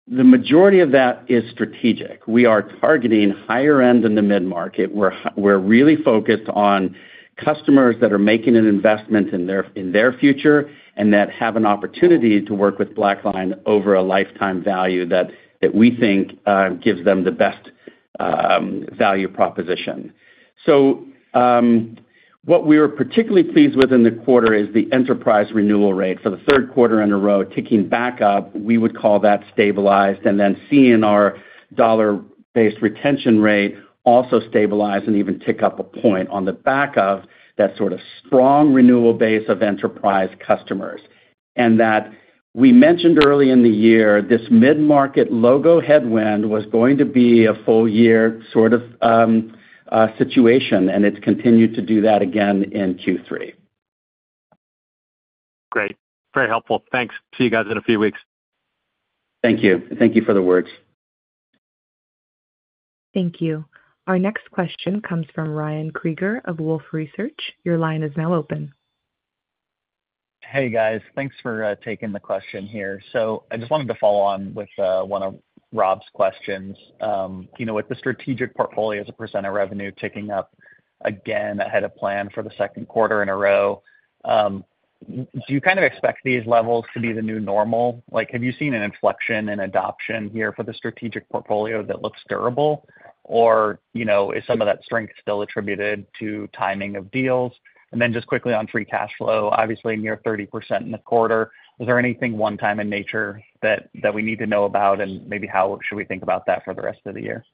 the majority of that is strategic. We are targeting higher end in the mid-market. We're really focused on customers that are making an investment in their future and that have an opportunity to work with BlackLine over a lifetime value that we think gives them the best value proposition. So what we were particularly pleased with in the quarter is the enterprise renewal rate for the third quarter in a row ticking back up. We would call that stabilized. And then seeing our dollar-based retention rate also stabilize and even tick up a point on the back of that sort of strong renewal base of enterprise customers. And that we mentioned early in the year, this mid-market logo headwind was going to be a full-year sort of situation. And it's continued to do that again in Q3. Great. Very helpful. Thanks. See you guys in a few weeks. Thank you. Thank you for the words. Thank you. Our next question comes from Ryan Krieger of Wolfe Research. Your line is now open. Hey, guys. Thanks for taking the question here. So I just wanted to follow on with one of Rob's questions. With the strategic portfolio as a % of revenue ticking up again ahead of plan for the second quarter in a row, do you kind of expect these levels to be the new normal? Have you seen an inflection in adoption here for the strategic portfolio that looks durable? Or is some of that strength still attributed to timing of deals? And then just quickly on free cash flow, obviously near 30% in the quarter. Is there anything one-time in nature that we need to know about? And maybe how should we think about that for the rest of the year?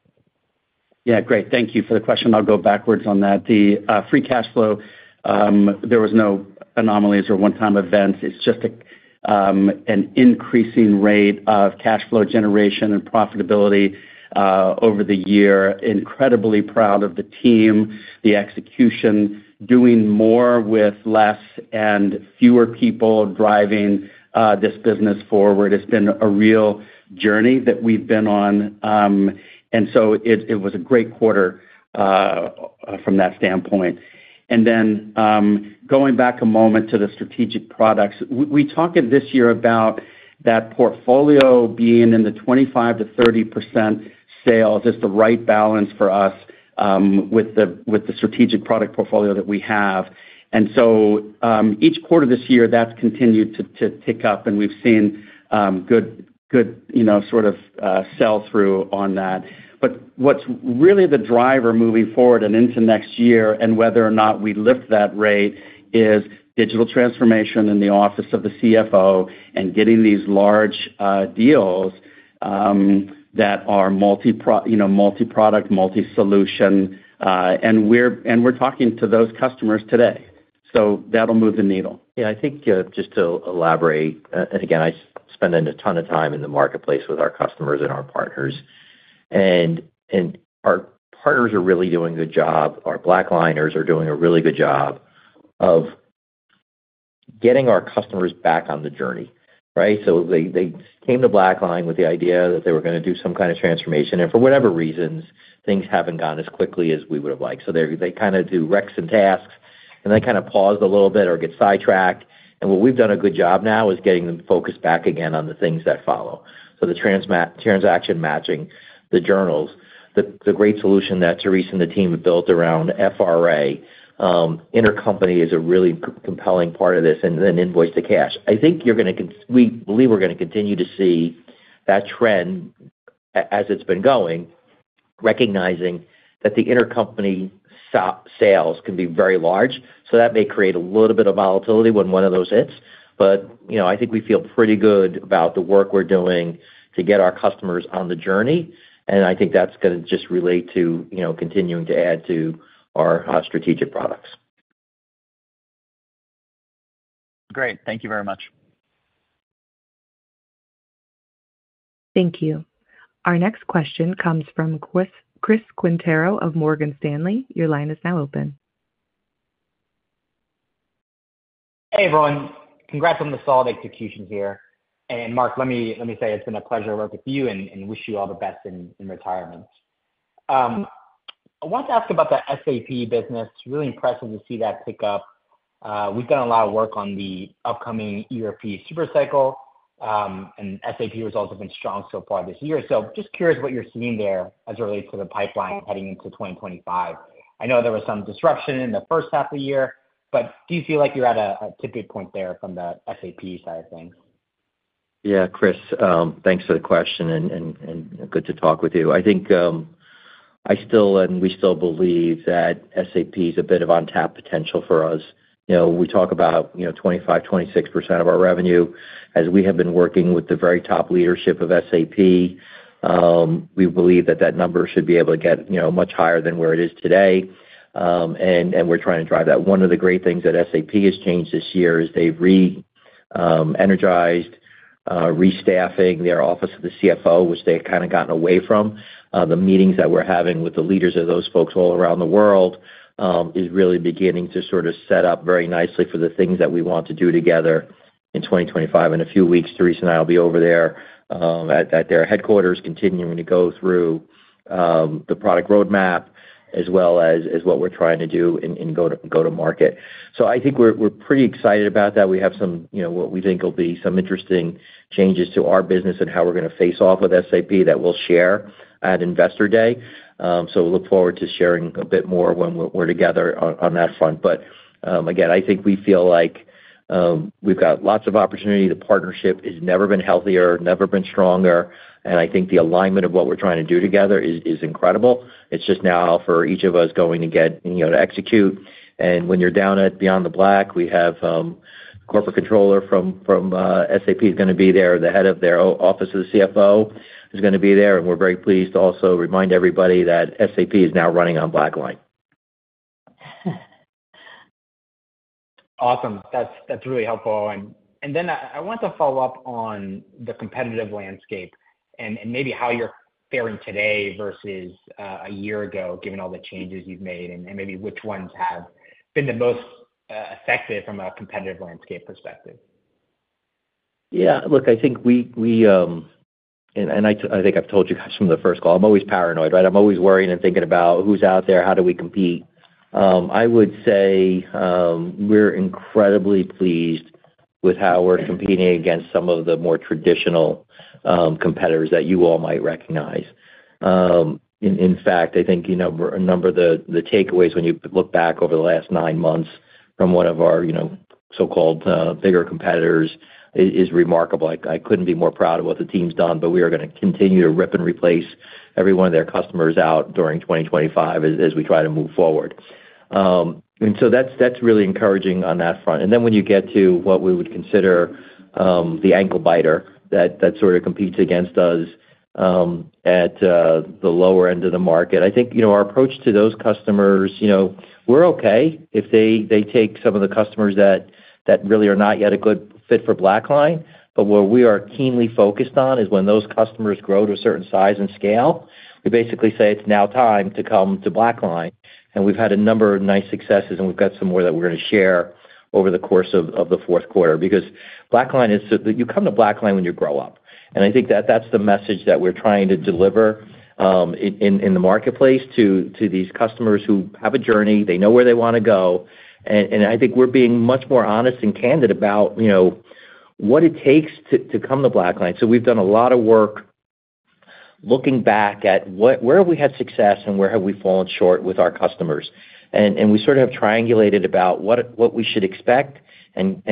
Yeah. Great. Thank you for the question. I'll go backwards on that. The free cash flow, there were no anomalies or one-time events. It's just an increasing rate of cash flow generation and profitability over the year. Incredibly proud of the team, the execution, doing more with less and fewer people driving this business forward. It's been a real journey that we've been on. And so it was a great quarter from that standpoint. And then going back a moment to the strategic products, we talked this year about that portfolio being in the 25%-30% sales is the right balance for us with the strategic product portfolio that we have. And so each quarter this year, that's continued to tick up. And we've seen good sort of sell-through on that. But what's really the driver moving forward and into next year and whether or not we lift that rate is digital transformation in the office of the CFO and getting these large deals that are multi-product, multi-solution. And we're talking to those customers today. So that'll move the needle. Yeah. I think just to elaborate, and again, I spend a ton of time in the marketplace with our customers and our partners. And our partners are really doing a good job. Our BlackLiners are doing a really good job of getting our customers back on the journey, right? So they came to BlackLine with the idea that they were going to do some kind of transformation. For whatever reasons, things haven't gone as quickly as we would have liked. So they kind of do recs and tasks, and they kind of pause a little bit or get sidetracked. What we've done a good job now is getting them focused back again on the things that follow. So the Transaction Matching, the Journals, the great solution that Therese and the team have built around FRA, Intercompany is a really compelling part of this, and then Invoice-to-Cash. I think you're going to, we believe we're going to continue to see that trend as it's been going, recognizing that the Intercompany sales can be very large. So that may create a little bit of volatility when one of those hits. But I think we feel pretty good about the work we're doing to get our customers on the journey. And I think that's going to just relate to continuing to add to our strategic products. Great. Thank you very much. Thank you. Our next question comes from Christopher Quintero of Morgan Stanley. Your line is now open. Hey, everyone. Congrats on the solid execution here. And Mark, let me say it's been a pleasure working with you and wish you all the best in retirement. I want to ask about the SAP business. It's really impressive to see that pick up. We've done a lot of work on the upcoming ERP supercycle. And SAP results have been strong so far this year. So just curious what you're seeing there as it relates to the pipeline heading into 2025. I know there was some disruption in the first half of the year, but do you feel like you're at a tipping point there from the SAP side of things? Yeah, Chris, thanks for the question and good to talk with you. I think I still and we still believe that SAP is a bit of untapped potential for us. We talk about 25%-26% of our revenue as we have been working with the very top leadership of SAP. We believe that that number should be able to get much higher than where it is today. And we're trying to drive that. One of the great things that SAP has changed this year is they've re-energized, restaffing their office of the CFO, which they had kind of gotten away from. The meetings that we're having with the leaders of those folks all around the world is really beginning to sort of set up very nicely for the things that we want to do together in 2025. In a few weeks, Therese and I will be over there at their headquarters continuing to go through the product roadmap as well as what we're trying to do in go-to-market. So I think we're pretty excited about that. We have some what we think will be some interesting changes to our business and how we're going to face off with SAP that we'll share at Investor Day. So we look forward to sharing a bit more when we're together on that front. But again, I think we feel like we've got lots of opportunity. The partnership has never been healthier, never been stronger. And I think the alignment of what we're trying to do together is incredible. It's just now for each of us going to get to execute. And when you're down at Beyond the Black, we have the corporate controller from SAP is going to be there. The head of their Office of the CFO is going to be there. And we're very pleased to also remind everybody that SAP is now running on BlackLine. Awesome. That's really helpful. And then I want to follow up on the competitive landscape and maybe how you're faring today versus a year ago, given all the changes you've made, and maybe which ones have been the most effective from a competitive landscape perspective. Yeah. Look, I think we, and I think I've told you guys from the first call. I'm always paranoid, right? I'm always worrying and thinking about who's out there, how do we compete. I would say we're incredibly pleased with how we're competing against some of the more traditional competitors that you all might recognize. In fact, I think a number of the takeaways when you look back over the last nine months from one of our so-called bigger competitors is remarkable. I couldn't be more proud of what the team's done, but we are going to continue to rip and replace every one of their customers out during 2025 as we try to move forward, and so that's really encouraging on that front. And then, when you get to what we would consider the ankle-biter that sort of competes against us at the lower end of the market, I think our approach to those customers. We're okay if they take some of the customers that really are not yet a good fit for BlackLine. But what we are keenly focused on is when those customers grow to a certain size and scale, we basically say it's now time to come to BlackLine. And we've had a number of nice successes, and we've got some more that we're going to share over the course of the fourth quarter because BlackLine is. You come to BlackLine when you grow up. And I think that that's the message that we're trying to deliver in the marketplace to these customers who have a journey. They know where they want to go. And I think we're being much more honest and candid about what it takes to come to BlackLine. So we've done a lot of work looking back at where have we had success and where have we fallen short with our customers. And we sort of have triangulated about what we should expect and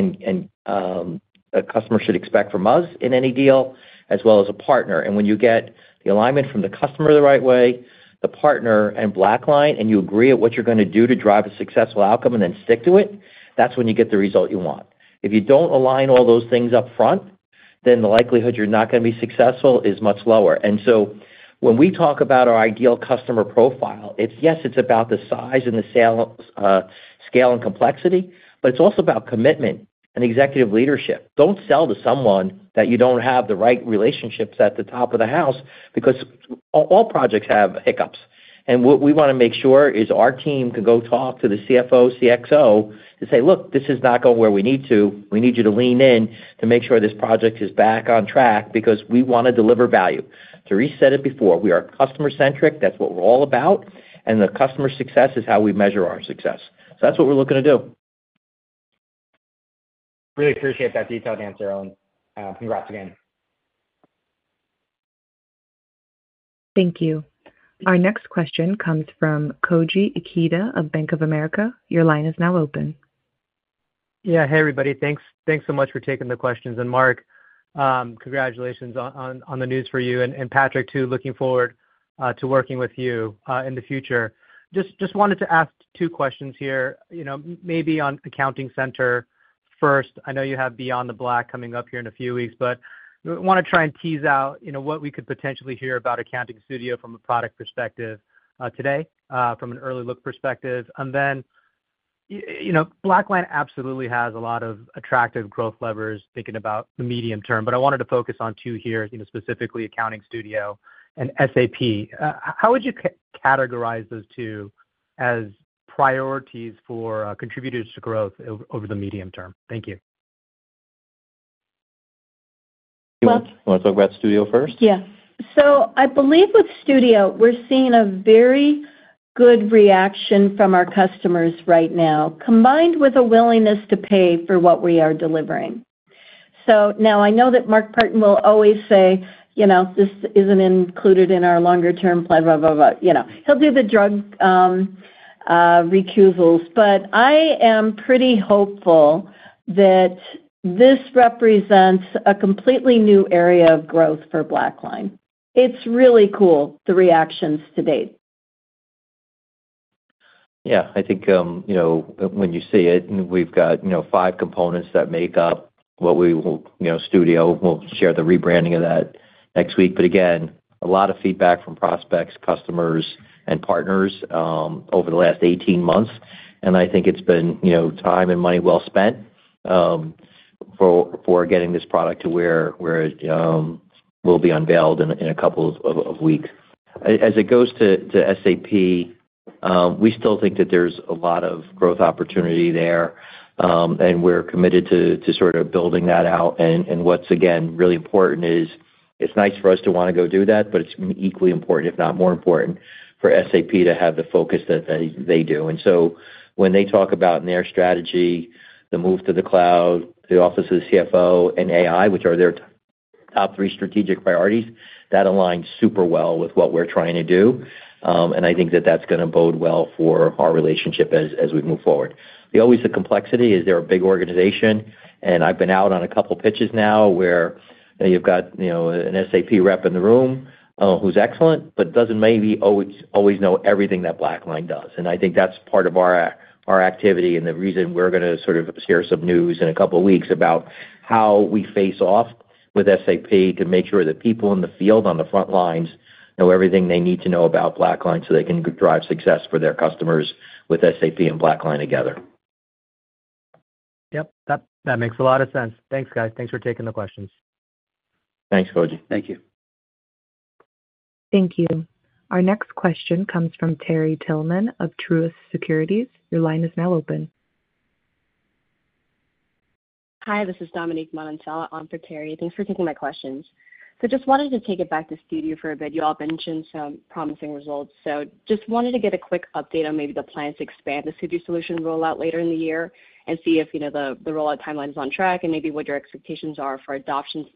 a customer should expect from us in any deal as well as a partner. And when you get the alignment from the customer the right way, the partner, and BlackLine, and you agree at what you're going to do to drive a successful outcome and then stick to it, that's when you get the result you want. If you don't align all those things upfront, then the likelihood you're not going to be successful is much lower. And so when we talk about our ideal customer profile, yes, it's about the size and the scale and complexity, but it's also about commitment and executive leadership. Don't sell to someone that you don't have the right relationships at the top of the house because all projects have hiccups. And what we want to make sure is our team can go talk to the CFO, CXO, and say, "Look, this is not going where we need to. We need you to lean in to make sure this project is back on track because we want to deliver value." Therese said it before. We are customer-centric. That's what we're all about. And the customer success is how we measure our success. So that's what we're looking to do. Really appreciate that detailed answer, Owen. Congrats again. Thank you. Our next question comes from Koji Ikeda of Bank of America. Your line is now open. Yeah. Hey, everybody. Thanks so much for taking the questions. And Mark, congratulations on the news for you. And Patrick, too, looking forward to working with you in the future. Just wanted to ask two questions here, maybe on Accounting Studio first. I know you have Beyond the Black coming up here in a few weeks, but I want to try and tease out what we could potentially hear about Accounting Studio from a product perspective today from an early look perspective. And then BlackLine absolutely has a lot of attractive growth levers thinking about the medium term, but I wanted to focus on two here, specifically Accounting Studio and SAP. How would you categorize those two as priorities for contributors to growth over the medium term? Thank you. Do you want to talk about Studio first? Yeah. So I believe with Studio, we're seeing a very good reaction from our customers right now, combined with a willingness to pay for what we are delivering. So now I know that Mark Partin will always say, "This isn't included in our longer-term plan," blah, blah, blah. He'll do the usual recitals, but I am pretty hopeful that this represents a completely new area of growth for BlackLine. It's really cool, the reactions to date. Yeah. I think when you see it, we've got five components that make up what we will, Studio will share the rebranding of that next week. But again, a lot of feedback from prospects, customers, and partners over the last 18 months. And I think it's been time and money well spent for getting this product to where it will be unveiled in a couple of weeks. As it goes to SAP, we still think that there's a lot of growth opportunity there, and we're committed to sort of building that out. And what's, again, really important is it's nice for us to want to go do that, but it's equally important, if not more important, for SAP to have the focus that they do. And so when they talk about their strategy, the move to the cloud, the office of the CFO, and AI, which are their top three strategic priorities, that aligns super well with what we're trying to do. And I think that that's going to bode well for our relationship as we move forward. The complexity is they're a big organization. And I've been out on a couple of pitches now where you've got an SAP rep in the room who's excellent but doesn't maybe always know everything that BlackLine does. And I think that's part of our activity and the reason we're going to sort of share some news in a couple of weeks about how we face off with SAP to make sure that people in the field on the front lines know everything they need to know about BlackLine so they can drive success for their customers with SAP and BlackLine together. Yep. That makes a lot of sense. Thanks, guys. Thanks for taking the questions. Thanks, Koji. Thank you. Thank you. Our next question comes from Terry Tillman of Truist Securities. Your line is now open. Hi. This is Dominick Monticello on for Terry. Thanks for taking my questions. So just wanted to take it back to Studio for a bit. You all mentioned some promising results. So just wanted to get a quick update on maybe the plans to expand the Studio solution rollout later in the year and see if the rollout timeline is on track and maybe what your expectations are for adoption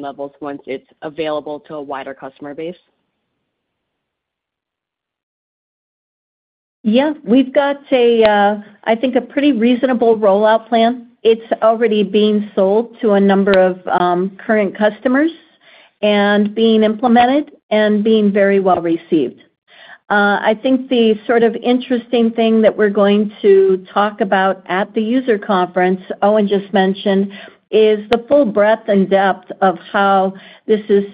levels once it's available to a wider customer base. Yeah. We've got, I think, a pretty reasonable rollout plan. It's already being sold to a number of current customers and being implemented and being very well received. I think the sort of interesting thing that we're going to talk about at the user conference, Owen just mentioned, is the full breadth and depth of how this is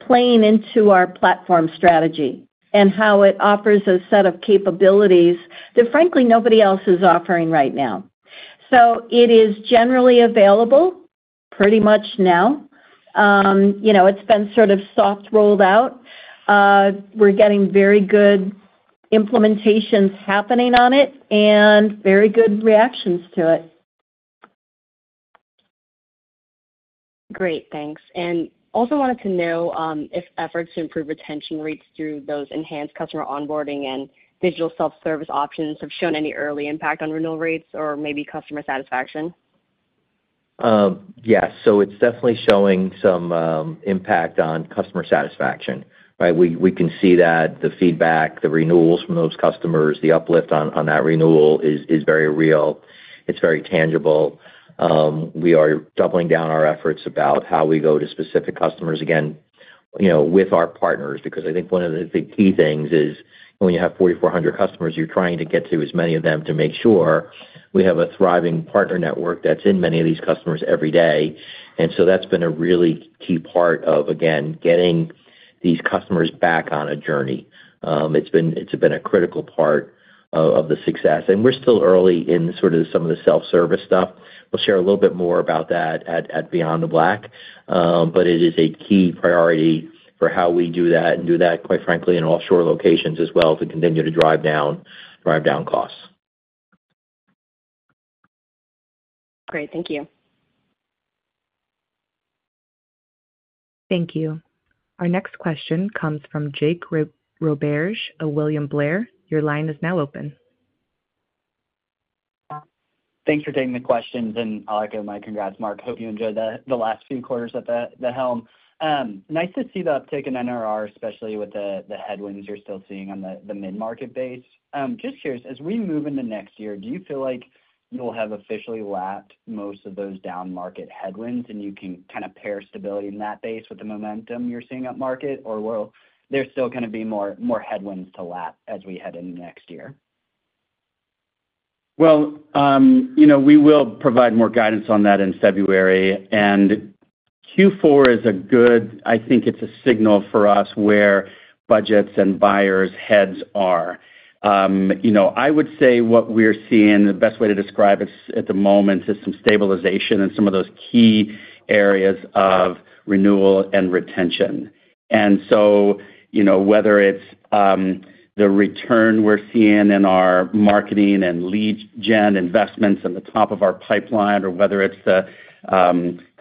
playing into our platform strategy and how it offers a set of capabilities that, frankly, nobody else is offering right now. So it is generally available pretty much now. It's been sort of soft rolled out. We're getting very good implementations happening on it and very good reactions to it. Great. Thanks. And also wanted to know if efforts to improve retention rates through those enhanced customer onboarding and digital self-service options have shown any early impact on renewal rates or maybe customer satisfaction. Yes. So it's definitely showing some impact on customer satisfaction, right? We can see that the feedback, the renewals from those customers, the uplift on that renewal is very real. It's very tangible. We are doubling down our efforts about how we go to specific customers, again, with our partners because I think one of the key things is when you have 4,400 customers, you're trying to get to as many of them to make sure we have a thriving partner network that's in many of these customers every day. And so that's been a really key part of, again, getting these customers back on a journey. It's been a critical part of the success. And we're still early in sort of some of the self-service stuff. We'll share a little bit more about that at Beyond the Black, but it is a key priority for how we do that and do that, quite frankly, in all shore locations as well to continue to drive down costs. Great. Thank you. Thank you. Our next question comes from Jake Roberge, William Blair. Your line is now open. Thanks for taking the questions. And I'll echo my congrats, Mark. Hope you enjoyed the last few quarters at the helm. Nice to see the uptake in NRR, especially with the headwinds you're still seeing on the mid-market base. Just curious, as we move into next year, do you feel like you'll have officially lapped most of those down-market headwinds and you can kind of pair stability in that base with the momentum you're seeing at market, or will there still kind of be more headwinds to lap as we head into next year? Well, we will provide more guidance on that in February, and Q4 is a good, I think it's a signal for us where budgets and buyers' heads are. I would say what we're seeing, the best way to describe it at the moment, is some stabilization in some of those key areas of renewal and retention. And so whether it's the return we're seeing in our marketing and lead gen investments at the top of our pipeline, or whether it's the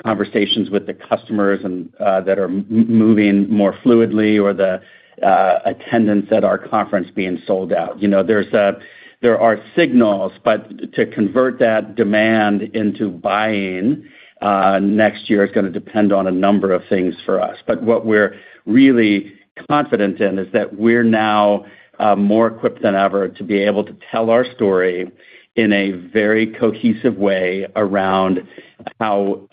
conversations with the customers that are moving more fluidly, or the attendance at our conference being sold out, there are signals. To convert that demand into buying next year is going to depend on a number of things for us. What we're really confident in is that we're now more equipped than ever to be able to tell our story in a very cohesive way around how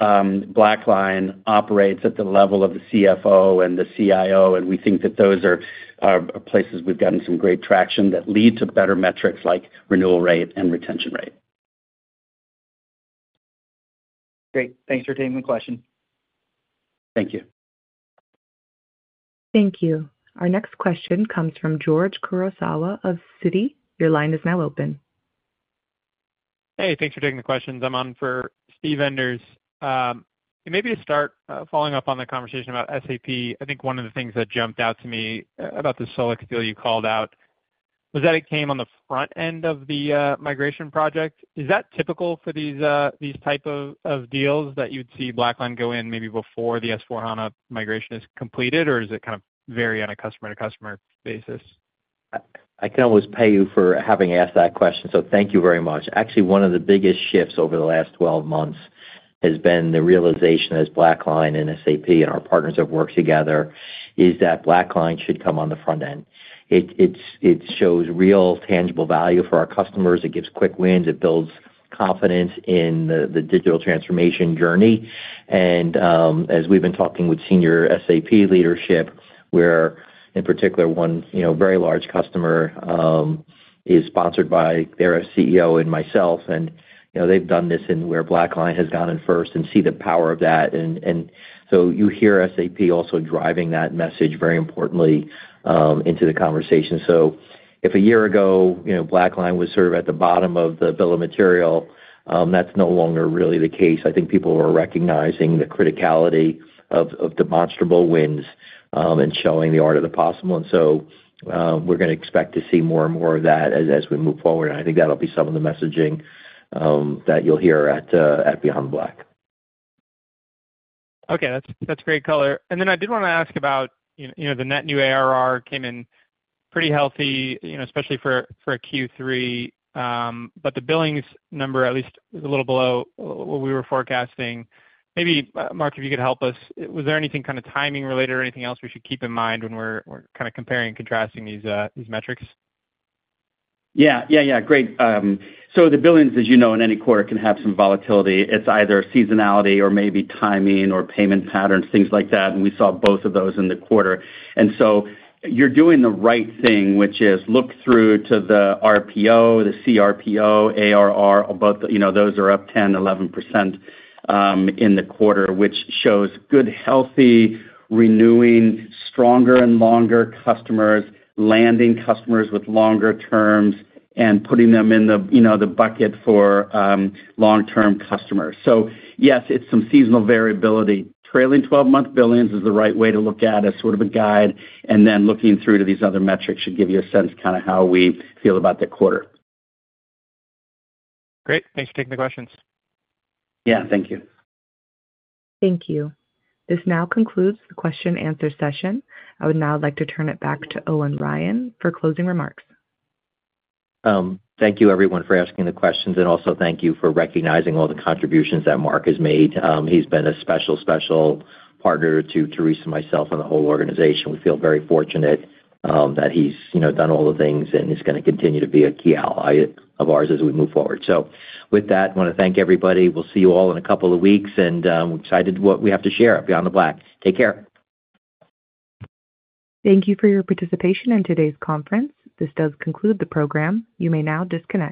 BlackLine operates at the level of the CFO and the CIO. We think that those are places we've gotten some great traction that lead to better metrics like renewal rate and retention rate. Great. Thanks for taking the question. Thank you. Thank you. Our next question comes from George Kurosawa of Citi. Your line is now open. Hey. Thanks for taking the questions. I'm on for Steve Enders. And maybe to start, following up on the conversation about SAP, I think one of the things that jumped out to me about the Solex deal you called out was that it came on the front end of the migration project. Is that typical for these types of deals that you'd see BlackLine go in maybe before the S/4HANA migration is completed, or does it kind of vary on a customer-to-customer basis? I can almost pay you for having asked that question, so thank you very much. Actually, one of the biggest shifts over the last 12 months has been the realization as BlackLine and SAP and our partners have worked together is that BlackLine should come on the front end. It shows real tangible value for our customers. It gives quick wins. It builds confidence in the digital transformation journey. And as we've been talking with senior SAP leadership, where in particular, one very large customer is sponsored by their CEO and myself, and they've done this in where BlackLine has gone in first and see the power of that. And so you hear SAP also driving that message very importantly into the conversation. So if a year ago BlackLine was sort of at the bottom of the bill of material, that's no longer really the case. I think people are recognizing the criticality of demonstrable wins and showing the art of the possible. And so we're going to expect to see more and more of that as we move forward. And I think that'll be some of the messaging that you'll hear at Beyond the Black. Okay. That's great color. And then I did want to ask about the net new ARR came in pretty healthy, especially for a Q3, but the billings number at least was a little below what we were forecasting. Maybe, Mark, if you could help us, was there anything kind of timing related or anything else we should keep in mind when we're kind of comparing and contrasting these metrics? Yeah. Yeah, yeah. Great. So the billings, as you know, in any quarter can have some volatility. It's either seasonality or maybe timing or payment patterns, things like that. And we saw both of those in the quarter. And so you're doing the right thing, which is look through to the RPO, the CRPO, ARR, both of those are up 10%, 11% in the quarter, which shows good, healthy, renewing, stronger, and longer customers, landing customers with longer terms, and putting them in the bucket for long-term customers. So yes, it's some seasonal variability. Trailing 12-month billings is the right way to look at as sort of a guide. And then looking through to these other metrics should give you a sense kind of how we feel about the quarter. Great. Thanks for taking the questions. Yeah. Thank you. Thank you. This now concludes the question-and-answer session. I would now like to turn it back to Owen Ryan for closing remarks. Thank you, everyone, for asking the questions. And also, thank you for recognizing all the contributions that Mark has made. He's been a special, special partner to Therese, myself, and the whole organization. We feel very fortunate that he's done all the things and is going to continue to be a key ally of ours as we move forward. So with that, I want to thank everybody. We'll see you all in a couple of weeks. And we're excited what we have to share at Beyond the Black. Take care. Thank you for your participation in today's conference. This does conclude the program. You may now disconnect.